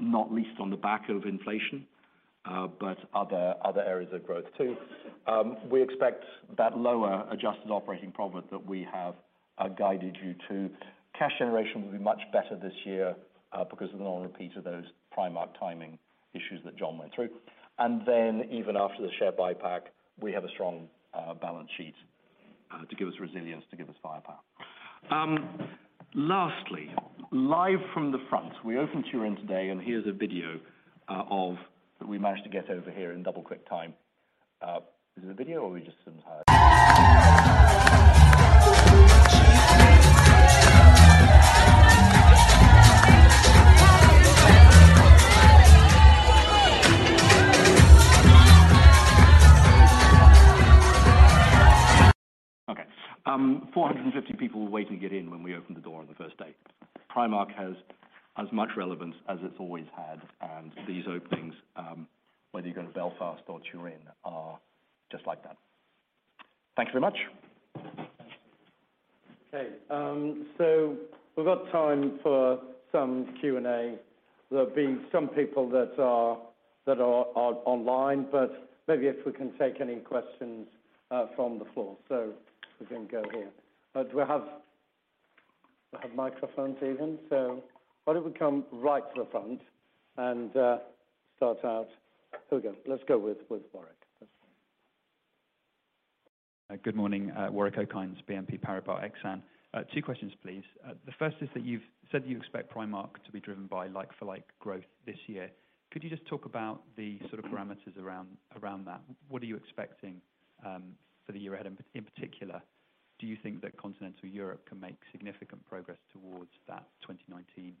not least on the back of inflation, but other areas of growth, too. We expect that lower adjusted operating profit that we have guided you to. Cash generation will be much better this year because of the non-repeat of those Primark timing issues that John went through. Even after the share buyback, we have a strong balance sheet. To give us resilience, to give us firepower. Lastly, live from the front, we opened Turin today, and here is a video that we managed to get over here in double quick time. Is it a video or we just Okay. 450 people waiting to get in when we opened the door on the first day. Primark has as much relevance as it has always had, and these openings, whether you go to Belfast or Turin, are just like that. Thanks very much. Okay. We have got time for some Q&A. There have been some people that are online, maybe if we can take any questions from the floor. We can go here. Do we have microphones even? Why don't we come right to the front and start out Here we go. Let us go with Warwick. Good morning. Warwick Okines, BNP Paribas Exane. Two questions, please. The first is that you have said that you expect Primark to be driven by like-for-like growth this year. Could you just talk about the sort of parameters around that? What are you expecting for the year ahead? In particular, do you think that continental Europe can make significant progress towards that 2019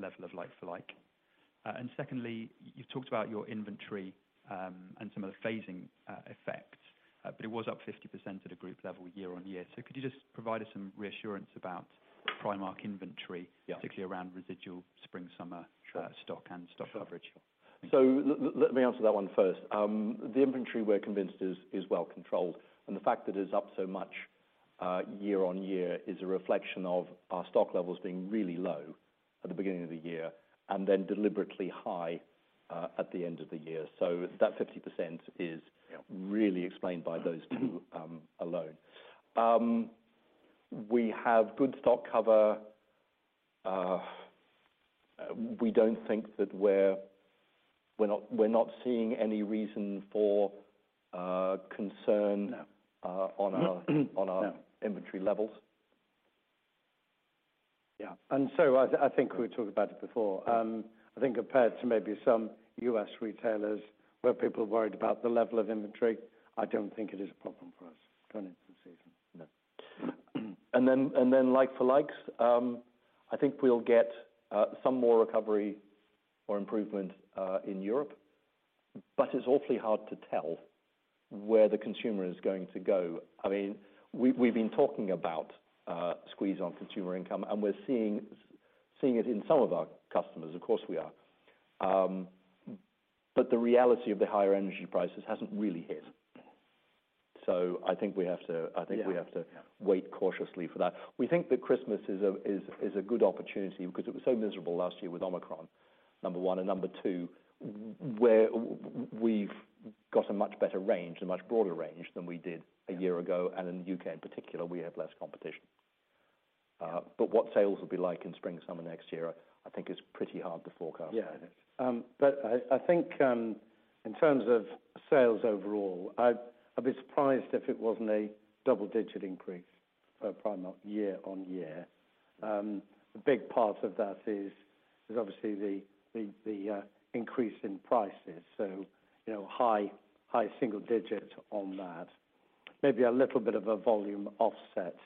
level of like for like? Secondly, you have talked about your inventory, and some of the phasing effects, but it was up 50% at a group level year-on-year. Could you just provide us some reassurance about Primark inventory- Yeah particularly around residual spring, summer- Sure stock and stock coverage. Sure. Thank you. Let me answer that one first. The inventory we're convinced is well controlled, and the fact that it's up so much year on year is a reflection of our stock levels being really low at the beginning of the year and then deliberately high at the end of the year. That 50% is really explained by those two alone. We have good stock cover. We're not seeing any reason for concern on our inventory levels. Yeah. I think we talked about it before. I think compared to maybe some U.S. retailers where people are worried about the level of inventory, I don't think it is a problem for us going into the season. No. Like for likes, I think we'll get some more recovery or improvement in Europe, it's awfully hard to tell where the consumer is going to go. We've been talking about squeeze on consumer income, we're seeing it in some of our customers. Of course, we are. The reality of the higher energy prices hasn't really hit. I think we have to- Yeah wait cautiously for that. We think that Christmas is a good opportunity because it was so miserable last year with Omicron, number 1, number 2, where we've got a much better range, a much broader range than we did a year ago. In the U.K. in particular, we have less competition. Yeah. What sales will be like in spring, summer next year, I think is pretty hard to forecast. Yeah, it is. I think in terms of sales overall, I'd be surprised if it wasn't a double-digit increase for Primark year on year. A big part of that is obviously the increase in prices. High single digit on that. Maybe a little bit of a volume offset,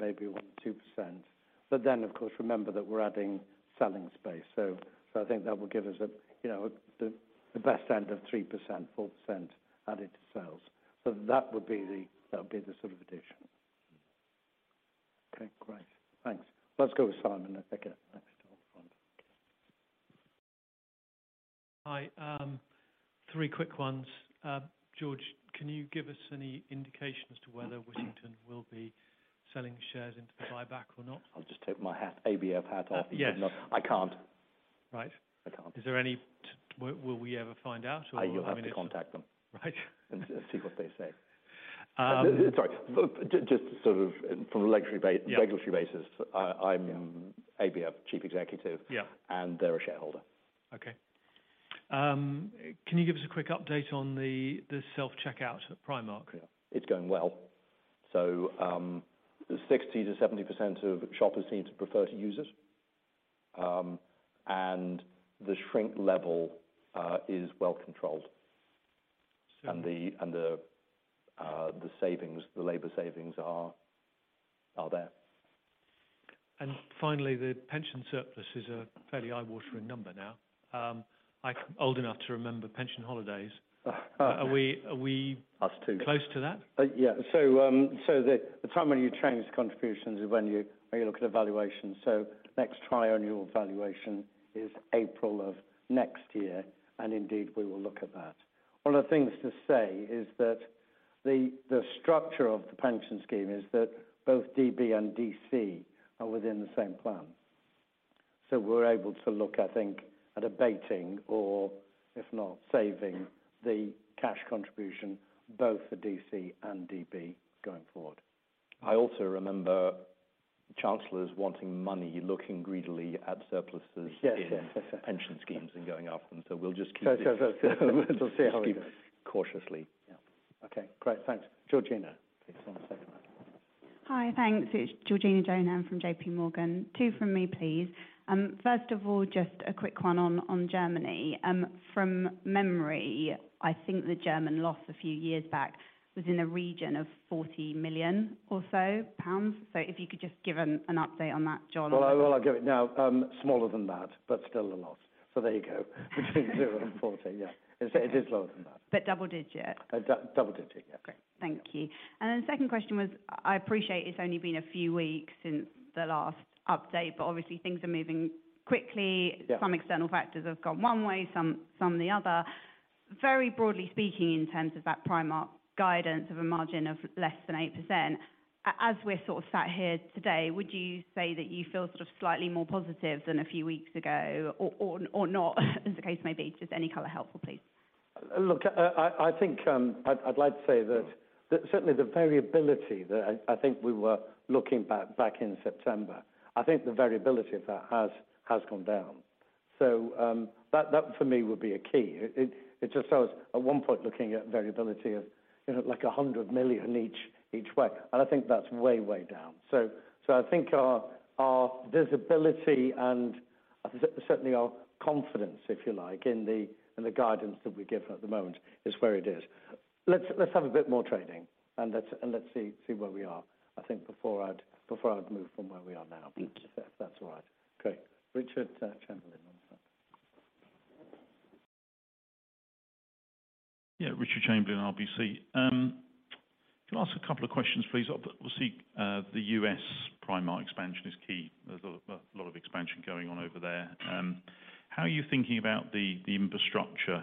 maybe 1%, 2%. Then, of course, remember that we're adding selling space. I think that will give us the best end of 3%, 4% added to sales. That would be the sort of addition. Okay, great. Thanks. Let's go with Simon, I think next. Hi. Three quick ones. George, can you give us any indication as to whether Wittington will be selling shares into the buyback or not? I'll just take my ABF hat off. Yes because I can't. Right. I can't. Will we ever find out? You'll have to contact them. Right. See what they say. I'm ABF Chief Executive. Yeah. They're a shareholder. Okay. Can you give us a quick update on the self-checkout at Primark? Yeah. It's going well. 60%-70% of shoppers seem to prefer to use it. The shrink level is well controlled. Yeah. The labor savings are there. Finally, the pension surplus is a fairly eye-watering number now. I'm old enough to remember pension holidays. Are we- Us too Are we close to that? Yeah. The time when you change contributions is when you look at evaluations. Next triennial valuation is April of next year, and indeed, we will look at that. One of the things to say is that the structure of the pension scheme is that both DB and DC are within the same plan. We're able to look, I think, at abating or if not saving the cash contribution both for DC and DB going forward. I also remember. Chancellors wanting money, looking greedily at surpluses. Yes In pension schemes and going after them. We'll just keep. We'll see how it goes cautiously. Great. Thanks. Georgina, please come second. Hi, thanks. It is Georgina Johanan from JPMorgan. Two from me, please. Just a quick one on Germany. From memory, I think the German loss a few years back was in a region of 40 million or so. If you could just give an update on that, John. Well, I will give it now. Smaller than that, but still a loss. There you go. Between zero and 40, yeah. It is lower than that. Double digit. Double digit, yeah. Great. Thank you. The second question was, I appreciate it's only been a few weeks since the last update, but obviously things are moving quickly. Yeah. Some external factors have gone one way, some the other. Very broadly speaking, in terms of that Primark guidance of a margin of less than 8%, as we're sort of sat here today, would you say that you feel sort of slightly more positive than a few weeks ago or not as the case may be? Just any color helpful, please. Look, I'd like to say that certainly the variability that I think we were looking back in September, I think the variability of that has gone down. That for me would be a key. It just shows at one point looking at variability of like 100 million each way, and I think that's way down. I think our visibility and certainly our confidence, if you like, in the guidance that we give at the moment is where it is. Let's have a bit more trading and let's see where we are, I think before I'd move from where we are now. If that's all right. Great. Richard Chamberlain. One second. Richard Chamberlain, RBC. Can I ask a couple of questions, please? The U.S. Primark expansion is key. There's a lot of expansion going on over there. How are you thinking about the infrastructure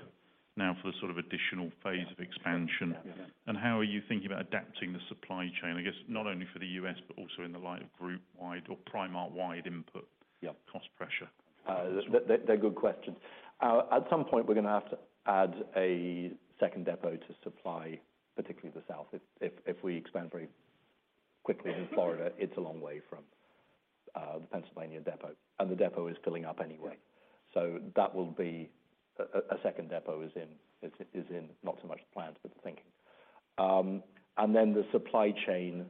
now for the sort of additional phase of expansion? Yeah. How are you thinking about adapting the supply chain, I guess, not only for the U.S. but also in the light of group wide or Primark wide input. Yeah cost pressure? They're good questions. At some point, we're going to have to add a second depot to supply, particularly the South. If we expand very quickly in Florida, it's a long way from the Pennsylvania depot, and the depot is filling up anyway. That will be a second depot is in not so much planned, but thinking. The supply chain,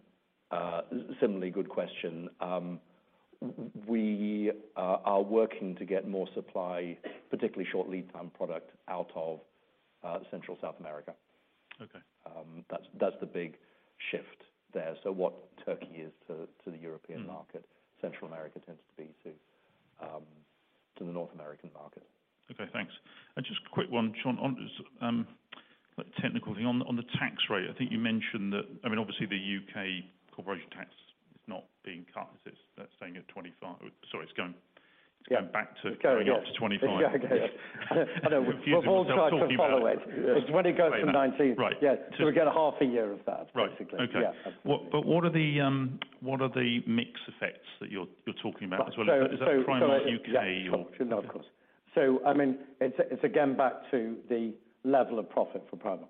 similarly good question. We are working to get more supply, particularly short lead time product out of Central South America. Okay. That's the big shift there. What Turkey is to the European market- Central America tends to be to the North American market. Okay, thanks. Just quick one, John, on technical thing. On the tax rate, I think you mentioned that Obviously the U.K. corporation tax is not being cut. That's staying at 25. Sorry, it's going- Yeah back to- It's going up going up to 25. It's going up. I know. Confusing myself talking about it. Balls try to follow it. Yes. When it goes from 19. Right. Yeah. We get a half a year of that, basically. Right. Okay. Yeah. What are the mix effects that you're talking about as well? Is that Primark U.K. or? Of course. It's again back to the level of profit for Primark.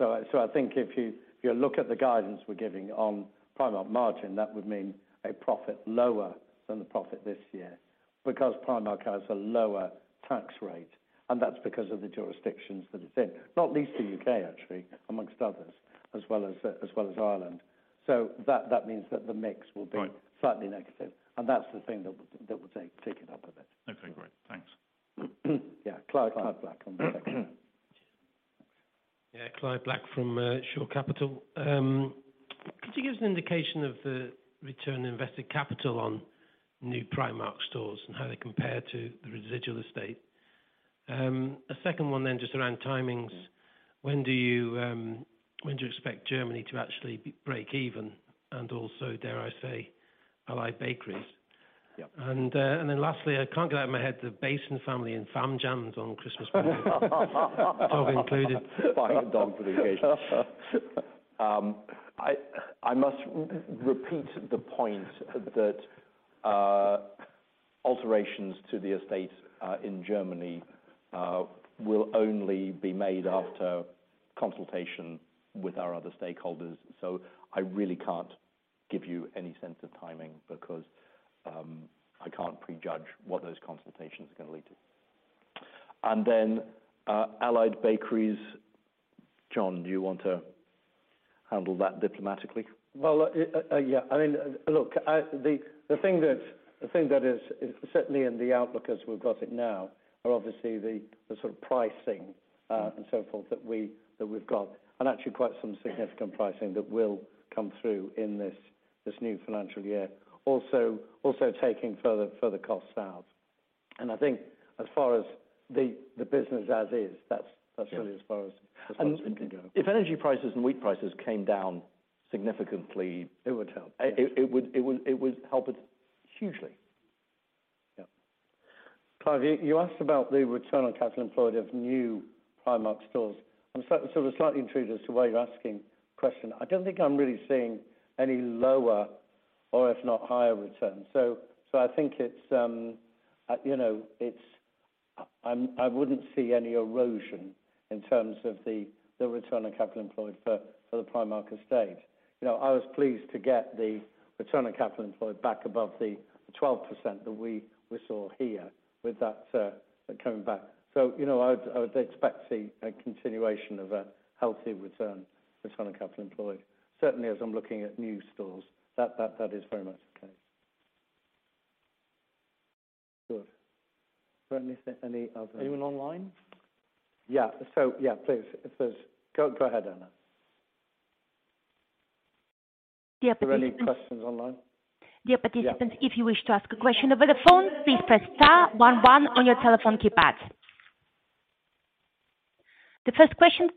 I think if you look at the guidance we're giving on Primark margin, that would mean a profit lower than the profit this year, because Primark has a lower tax rate, and that's because of the jurisdictions that it's in. Not least the U.K. actually, amongst others, as well as Ireland. That means that the mix will be- Right slightly negative. That's the thing that would take it up a bit. Okay, great. Thanks. Yeah. Clive Black on the second. Yeah. Clive Black from Shore Capital. Could you give us an indication of the return on invested capital on new Primark stores and how they compare to the residual estate? A second one then, just around timings. When do you expect Germany to actually break even and also, dare I say, Allied Bakeries? Yep. lastly, I can't get out of my head the Bason family in Fam Jams on Christmas pudding. Dog included. Fine dog for the engagement. I must repeat the point that alterations to the estate in Germany will only be made after consultation with our other stakeholders. I really can't give you any sense of timing because I can't prejudge what those consultations are going to lead to. Allied Bakeries, John, do you want to handle that diplomatically? The thing that is certainly in the outlook as we've got it now are obviously the sort of pricing and so forth that we've got, and actually quite some significant pricing that will come through in this new financial year. Also taking further costs out. I think as far as the business as is, that's really as far as I think we can go. If energy prices and wheat prices came down significantly It would help It would help it hugely. Yeah. Clive, you asked about the return on capital employed of new Primark stores. I'm sort of slightly intrigued as to why you're asking question. I don't think I'm really seeing any lower or if not higher returns. I wouldn't see any erosion in terms of the return on capital employed for the Primark estate. I was pleased to get the return on capital employed back above the 12% that we saw here, with that coming back. I would expect to see a continuation of a healthy return on capital employed. Certainly, as I'm looking at new stores, that is very much the case. Good. Is there anything any other- Anyone online? Yeah. Please. Go ahead, Anne. Yeah. Are there any questions online? Dear participants if you wish to ask a question over the phone, please press star one one on your telephone keypad. The first question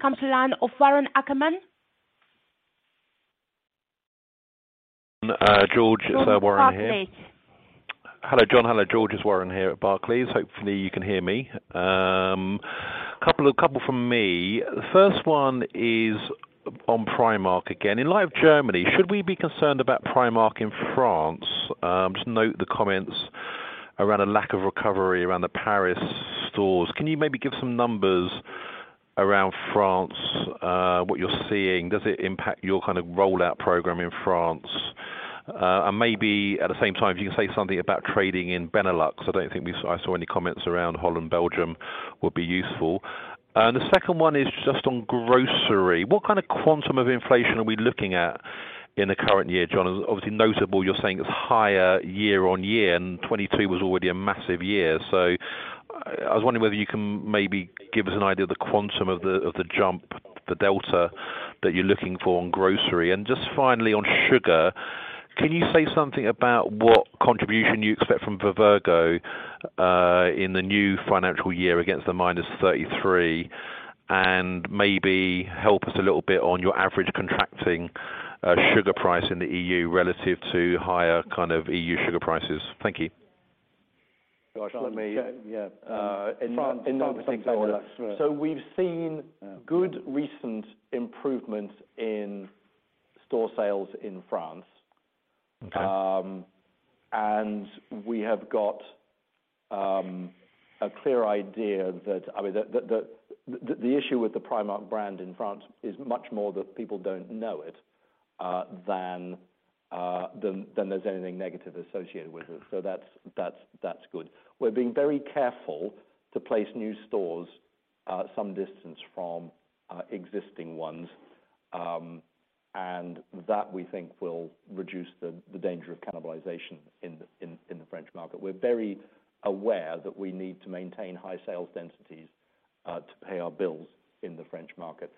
comes from the line of Warren Ackerman. George, it's Warren here. From Barclays. Hello, John. Hello, George. It's Warren here at Barclays. Hopefully, you can hear me. Couple from me. The first one is on Primark again. In light of Germany, should we be concerned about Primark in France? Just note the comments around a lack of recovery around the Paris stores. Can you maybe give some numbers around France, what you're seeing? Does it impact your kind of rollout program in France? Maybe at the same time, if you can say something about trading in Benelux, I don't think I saw any comments around Holland, Belgium would be useful. The second one is just on grocery. What kind of quantum of inflation are we looking at in the current year, John? Obviously, notable, you're saying it's higher year-over-year, and 2023 was already a massive year. I was wondering whether you can maybe give us an idea of the quantum of the jump, the delta that you're looking for on grocery. Just finally on sugar, can you say something about what contribution you expect from Vivergo in the new financial year against the minus 33, and maybe help us a little bit on your average contracting sugar price in the EU relative to higher EU sugar prices? Thank you. Gosh. Yeah We've seen good recent improvements in store sales in France. Okay. We have got a clear idea that the issue with the Primark brand in France is much more that people don't know it than there's anything negative associated with it. That's good. We're being very careful to place new stores some distance from existing ones, and that we think will reduce the danger of cannibalization in the French market. We're very aware that we need to maintain high sales densities to pay our bills in the French market.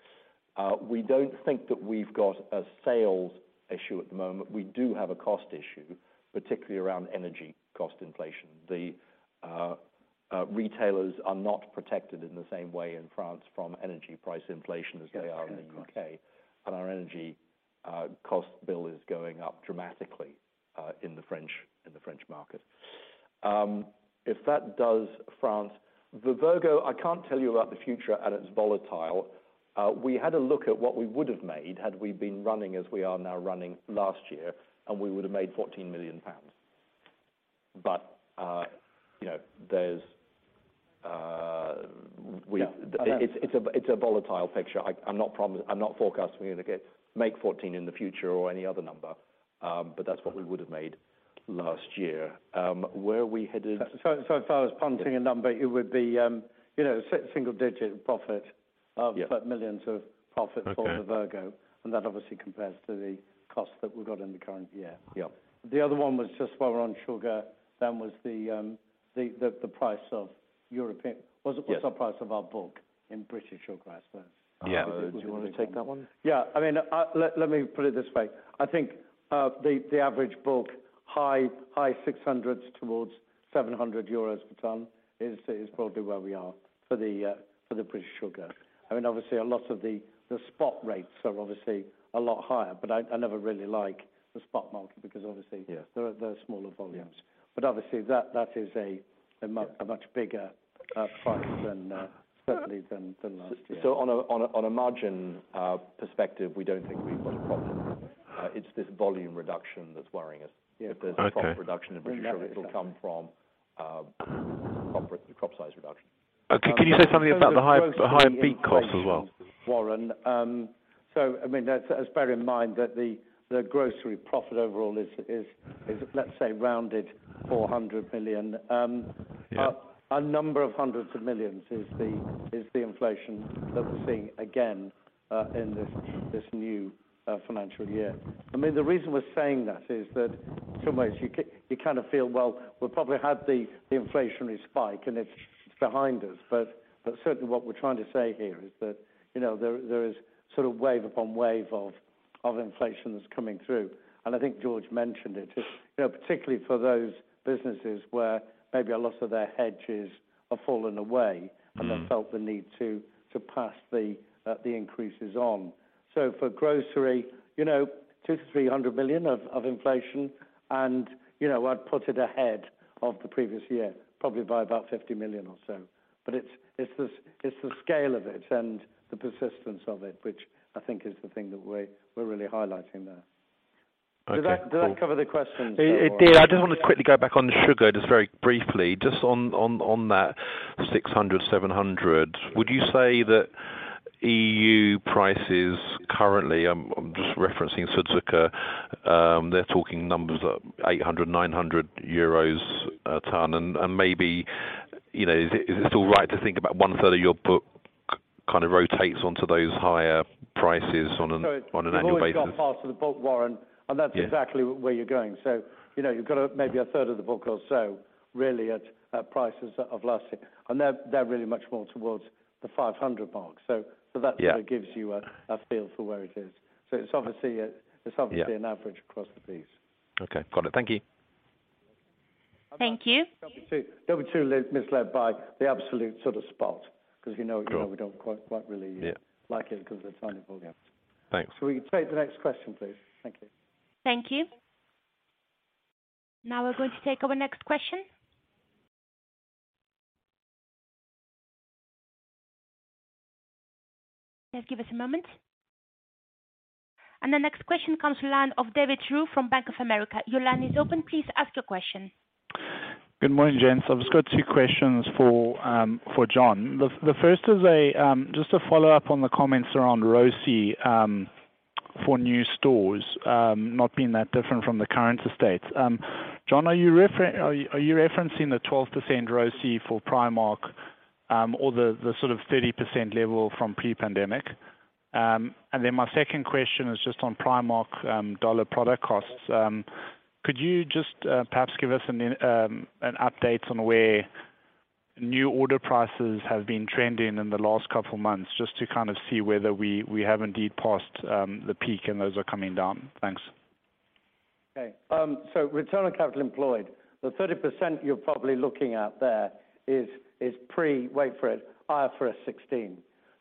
We don't think that we've got a sales issue at the moment. We do have a cost issue, particularly around energy cost inflation. The retailers are not protected in the same way in France from energy price inflation as they are in the U.K., and our energy cost bill is going up dramatically in the French market. If that does France, Vivergo, I can't tell you about the future, and it's volatile. We had a look at what we would have made had we been running as we are now running last year, and we would have made 14 million pounds. It's a volatile picture. I'm not forecasting we're going to make 14 in the future or any other number, but that's what we would have made last year. Where are we headed? If I was punting a number, it would be single digit profit. Yeah millions of profit for Vivergo, and that obviously compares to the cost that we've got in the current year. Yeah. The other one was just while we're on sugar, then was the price of European. Yeah What's the price of our book in British Sugar, I suppose? Yeah. Do you want to take that one? Yeah. Let me put it this way. I think the average book, high 600s towards 700 euros per ton, is probably where we are for the British Sugar. Obviously, a lot of the spot rates are obviously a lot higher. I never really like the spot market. Yeah They're smaller volumes. Obviously that is a much bigger profit certainly than last year. On a margin perspective, we don't think we've got a problem. It's this volume reduction that's worrying us. Yeah. If there's a profit reduction, I'm pretty sure it'll come from crop size reduction. Okay. Can you say something about the higher beet cost as well? Warren, bear in mind that the grocery profit overall is, let's say, rounded 400 million. Yeah. A number of hundreds of millions is the inflation that we're seeing again in this new financial year. The reason we're saying that is that in some ways you kind of feel, well, we probably had the inflationary spike and it's behind us. Certainly, what we're trying to say here is that there is sort of wave upon wave of inflation that's coming through. I think George mentioned it. Particularly for those businesses where maybe a lot of their hedges have fallen away and have felt the need to pass the increases on. For grocery, 200 million to 300 million of inflation, and I'd put it ahead of the previous year, probably by about 50 million or so. It's the scale of it and the persistence of it, which I think is the thing that we're really highlighting there. Okay, cool. Did that cover the question, Warren? It did. I just want to quickly go back on the sugar, just very briefly. Just on that 600, 700, would you say that EU prices currently, I'm just referencing Südzucker, they're talking numbers at 800, 900 euros a ton and maybe, is it all right to think about one third of your book kind of rotates onto those higher prices on an annual basis? We've always got parts of the book, Warren, that's exactly where you're going. You've got maybe a third of the book or so really at prices of last year, they're really much more towards the 500 mark. Yeah Sort of gives you a feel for where it is. It's obviously an average across the piece. Okay, got it. Thank you. Thank you. Don't be too misled by the absolute sort of spot because you know. Sure We don't quite really. Yeah Like it because of the tiny volume. Thanks. We can take the next question, please. Thank you. Thank you. We're going to take our next question. Just give us a moment. The next question comes to the line of David Drew from Bank of America. Your line is open. Please ask your question. Good morning, gents. I've just got two questions for John. The first is just a follow-up on the comments around ROCE for new stores, not being that different from the current estate. John, are you referencing the 12% ROCE for Primark, or the sort of 30% level from pre-pandemic? My second question is just on Primark dollar product costs. Could you just perhaps give us an update on where new order prices have been trending in the last couple of months, just to kind of see whether we have indeed passed the peak and those are coming down? Thanks. Okay. Return on capital employed, the 30% you're probably looking at there is pre, wait for it, IFRS 16.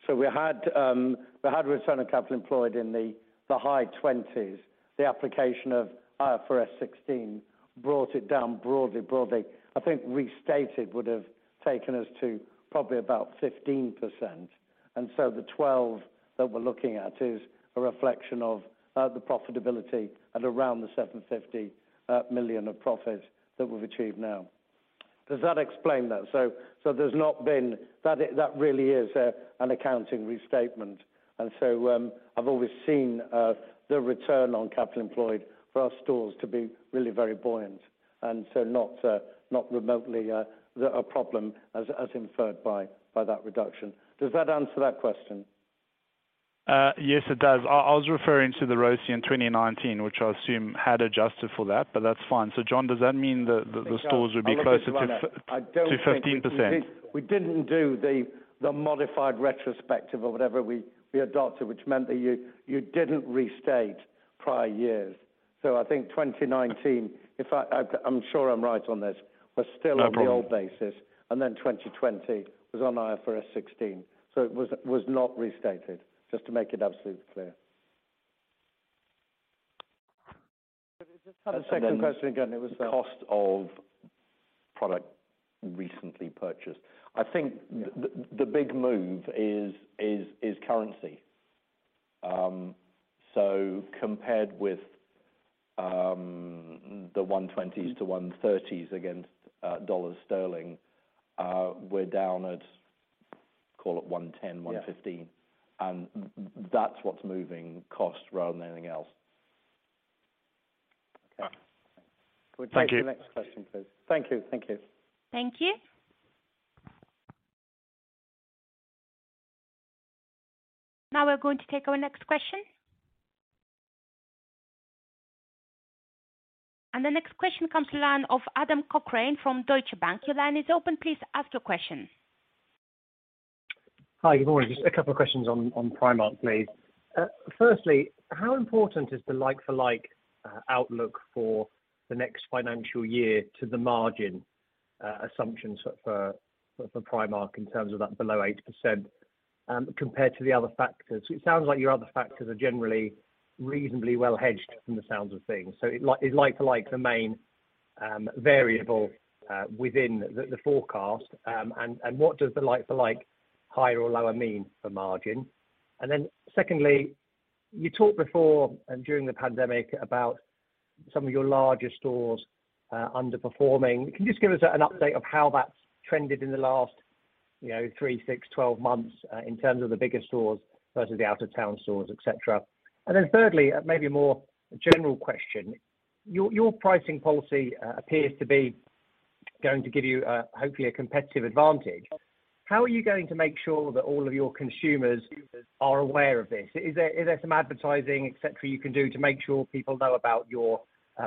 We had return on capital employed in the high 20s. The application of IFRS 16 brought it down broadly. I think restated would have taken us to probably about 15%. The 12 that we're looking at is a reflection of the profitability at around the 750 million of profit that we've achieved now. Does that explain that? There's not been. That really is an accounting restatement. I've always seen the return on capital employed for our stores to be really very buoyant, not remotely a problem as inferred by that reduction. Does that answer that question? Yes, it does. I was referring to the ROCE in 2019, which I'll assume had adjusted for that, but that's fine. John, does that mean that the stores would be closer to 15%? We didn't do the modified retrospective or whatever we adopted, which meant that you didn't restate prior years. I think 2019, I'm sure I'm right on this, was still- No problem on the old basis, 2020 was on IFRS 16. It was not restated, just to make it absolutely clear. The second question, again, it was the cost of product recently purchased. I think the big move is currency. Compared with the 120s to 130s against dollar sterling, we're down at, call it 110, 115. Yeah. That's what's moving cost rather than anything else. Can we take the next question, please? Thank you. Thank you. Now we're going to take our next question. The next question comes to the line of Adam Cochrane from Deutsche Bank. Your line is open. Please ask your question. Hi, good morning. Just a couple of questions on Primark, please. Firstly, how important is the like-for-like outlook for the next financial year to the margin assumptions for Primark in terms of that below 8% compared to the other factors? It sounds like your other factors are generally reasonably well hedged from the sounds of things. Is like-for-like the main variable within the forecast? What does the like-for-like higher or lower mean for margin? Secondly, you talked before and during the pandemic about some of your larger stores underperforming. Can you just give us an update of how that's trended in the last three, six, 12 months in terms of the bigger stores versus the out-of-town stores, et cetera? Thirdly, maybe a more general question. Your pricing policy appears to be going to give you, hopefully, a competitive advantage. How are you going to make sure that all of your consumers are aware of this? Is there some advertising, et cetera, you can do to make sure people know about your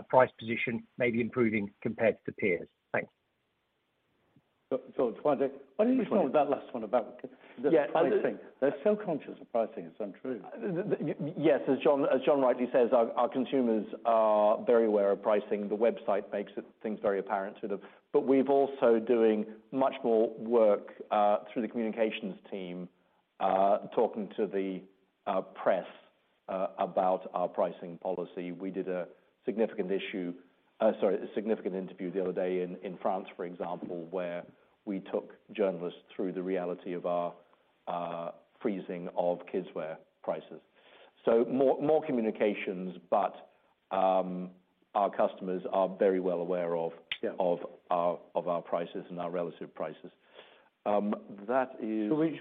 price position maybe improving compared to peers? Thanks. Why don't you talk about that last one about the pricing? Yeah. They're so conscious of pricing, it's untrue. Yes, as John rightly says, our consumers are very aware of pricing. The website makes things very apparent to them. We're also doing much more work through the communications team, talking to the press About our pricing policy. We did a significant interview the other day in France, for example, where we took journalists through the reality of our freezing of kid's wear prices. More communications, our customers are very well aware of- Yes our prices and our relative prices. Should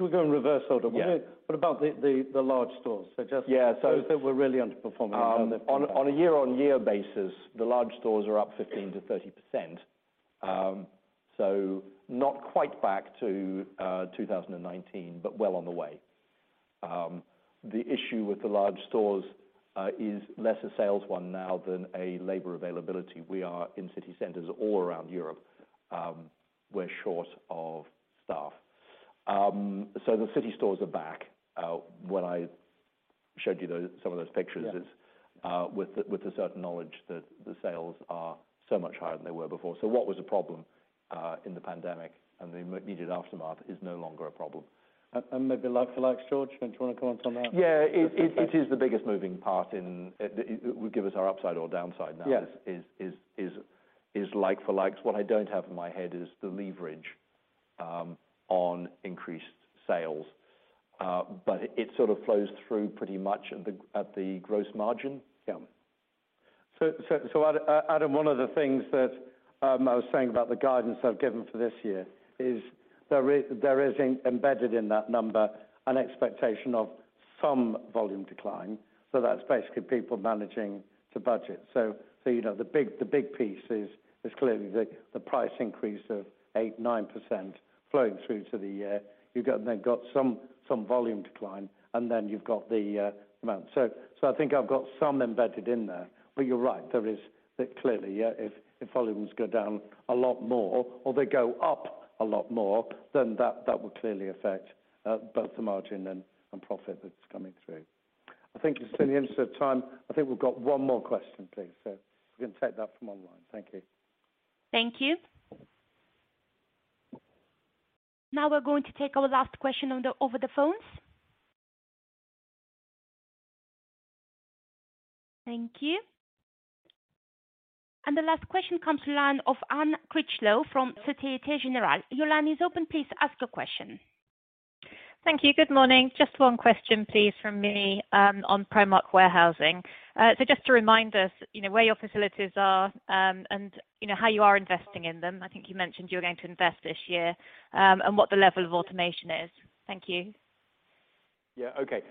we go in reverse order? Yeah. What about the large stores? Yeah those that were really underperforming. On a year-on-year basis, the large stores are up 15%-30%. Not quite back to 2019, but well on the way. The issue with the large stores is less a sales one now than a labor availability. We are in city centers all around Europe. We're short of staff. The city stores are back. When I showed you some of those pictures. Yeah with the certain knowledge that the sales are so much higher than they were before. What was a problem in the pandemic and the immediate aftermath is no longer a problem. Like for likes, George, don't you want to comment on that? Yeah. It is the biggest moving part, would give us our upside or downside now- Yes is like for likes. What I don't have in my head is the leverage on increased sales. It sort of flows through pretty much at the gross margin. Yeah. Adam, one of the things that I was saying about the guidance I've given for this year is there is embedded in that number an expectation of some volume decline. That's basically people managing to budget. The big piece is clearly the price increase of 8%, 9% flowing through to the year. You've then got some volume decline, you've got the amount. I think I've got some embedded in there. You're right, there is that clearly, yeah, if volumes go down a lot more or they go up a lot more, then that will clearly affect both the margin and profit that's coming through. I think in the interest of time, I think we've got one more question, please. We can take that from online. Thank you. Thank you. Now we're going to take our last question over the phones. Thank you. The last question comes to line of Anne Critchlow from Societe Generale. Your line is open. Please ask your question. Thank you. Good morning. Just one question, please, from me on Primark warehousing. Just to remind us where your facilities are and how you are investing in them, I think you mentioned you were going to invest this year, and what the level of automation is. Thank you. Yeah. Okay.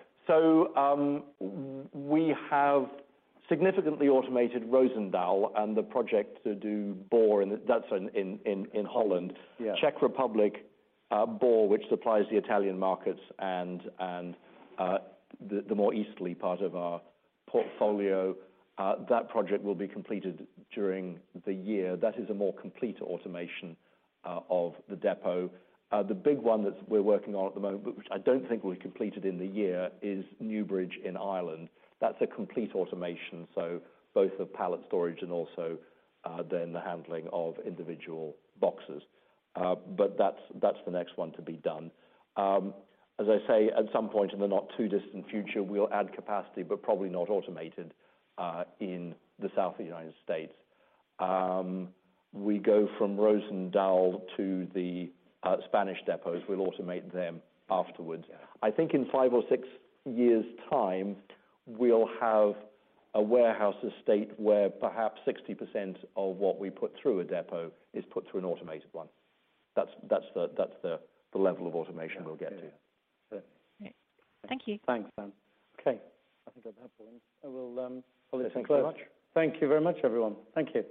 We have significantly automated Roosendaal and the project to do Bor, and that's in Holland. Yeah. Czech Republic, Bor, which supplies the Italian markets and the more easterly part of our portfolio, that project will be completed during the year. That is a more complete automation of the depot. The big one that we're working on at the moment, but which I don't think we'll completed in the year, is Newbridge in Ireland. That's a complete automation, so both the pallet storage and also then the handling of individual boxes. That's the next one to be done. As I say, at some point in the not too distant future, we'll add capacity, but probably not automated, in the south of the U.S. We go from Roosendaal to the Spanish depots. We'll automate them afterwards. Yeah. I think in five or six years' time, we'll have a warehouse estate where perhaps 60% of what we put through a depot is put through an automated one. That's the level of automation we'll get to. Yeah. Thank you. Thanks, Anne. Okay. I think at that point, I will call it to a close. Thanks very much. Thank you very much, everyone. Thank you.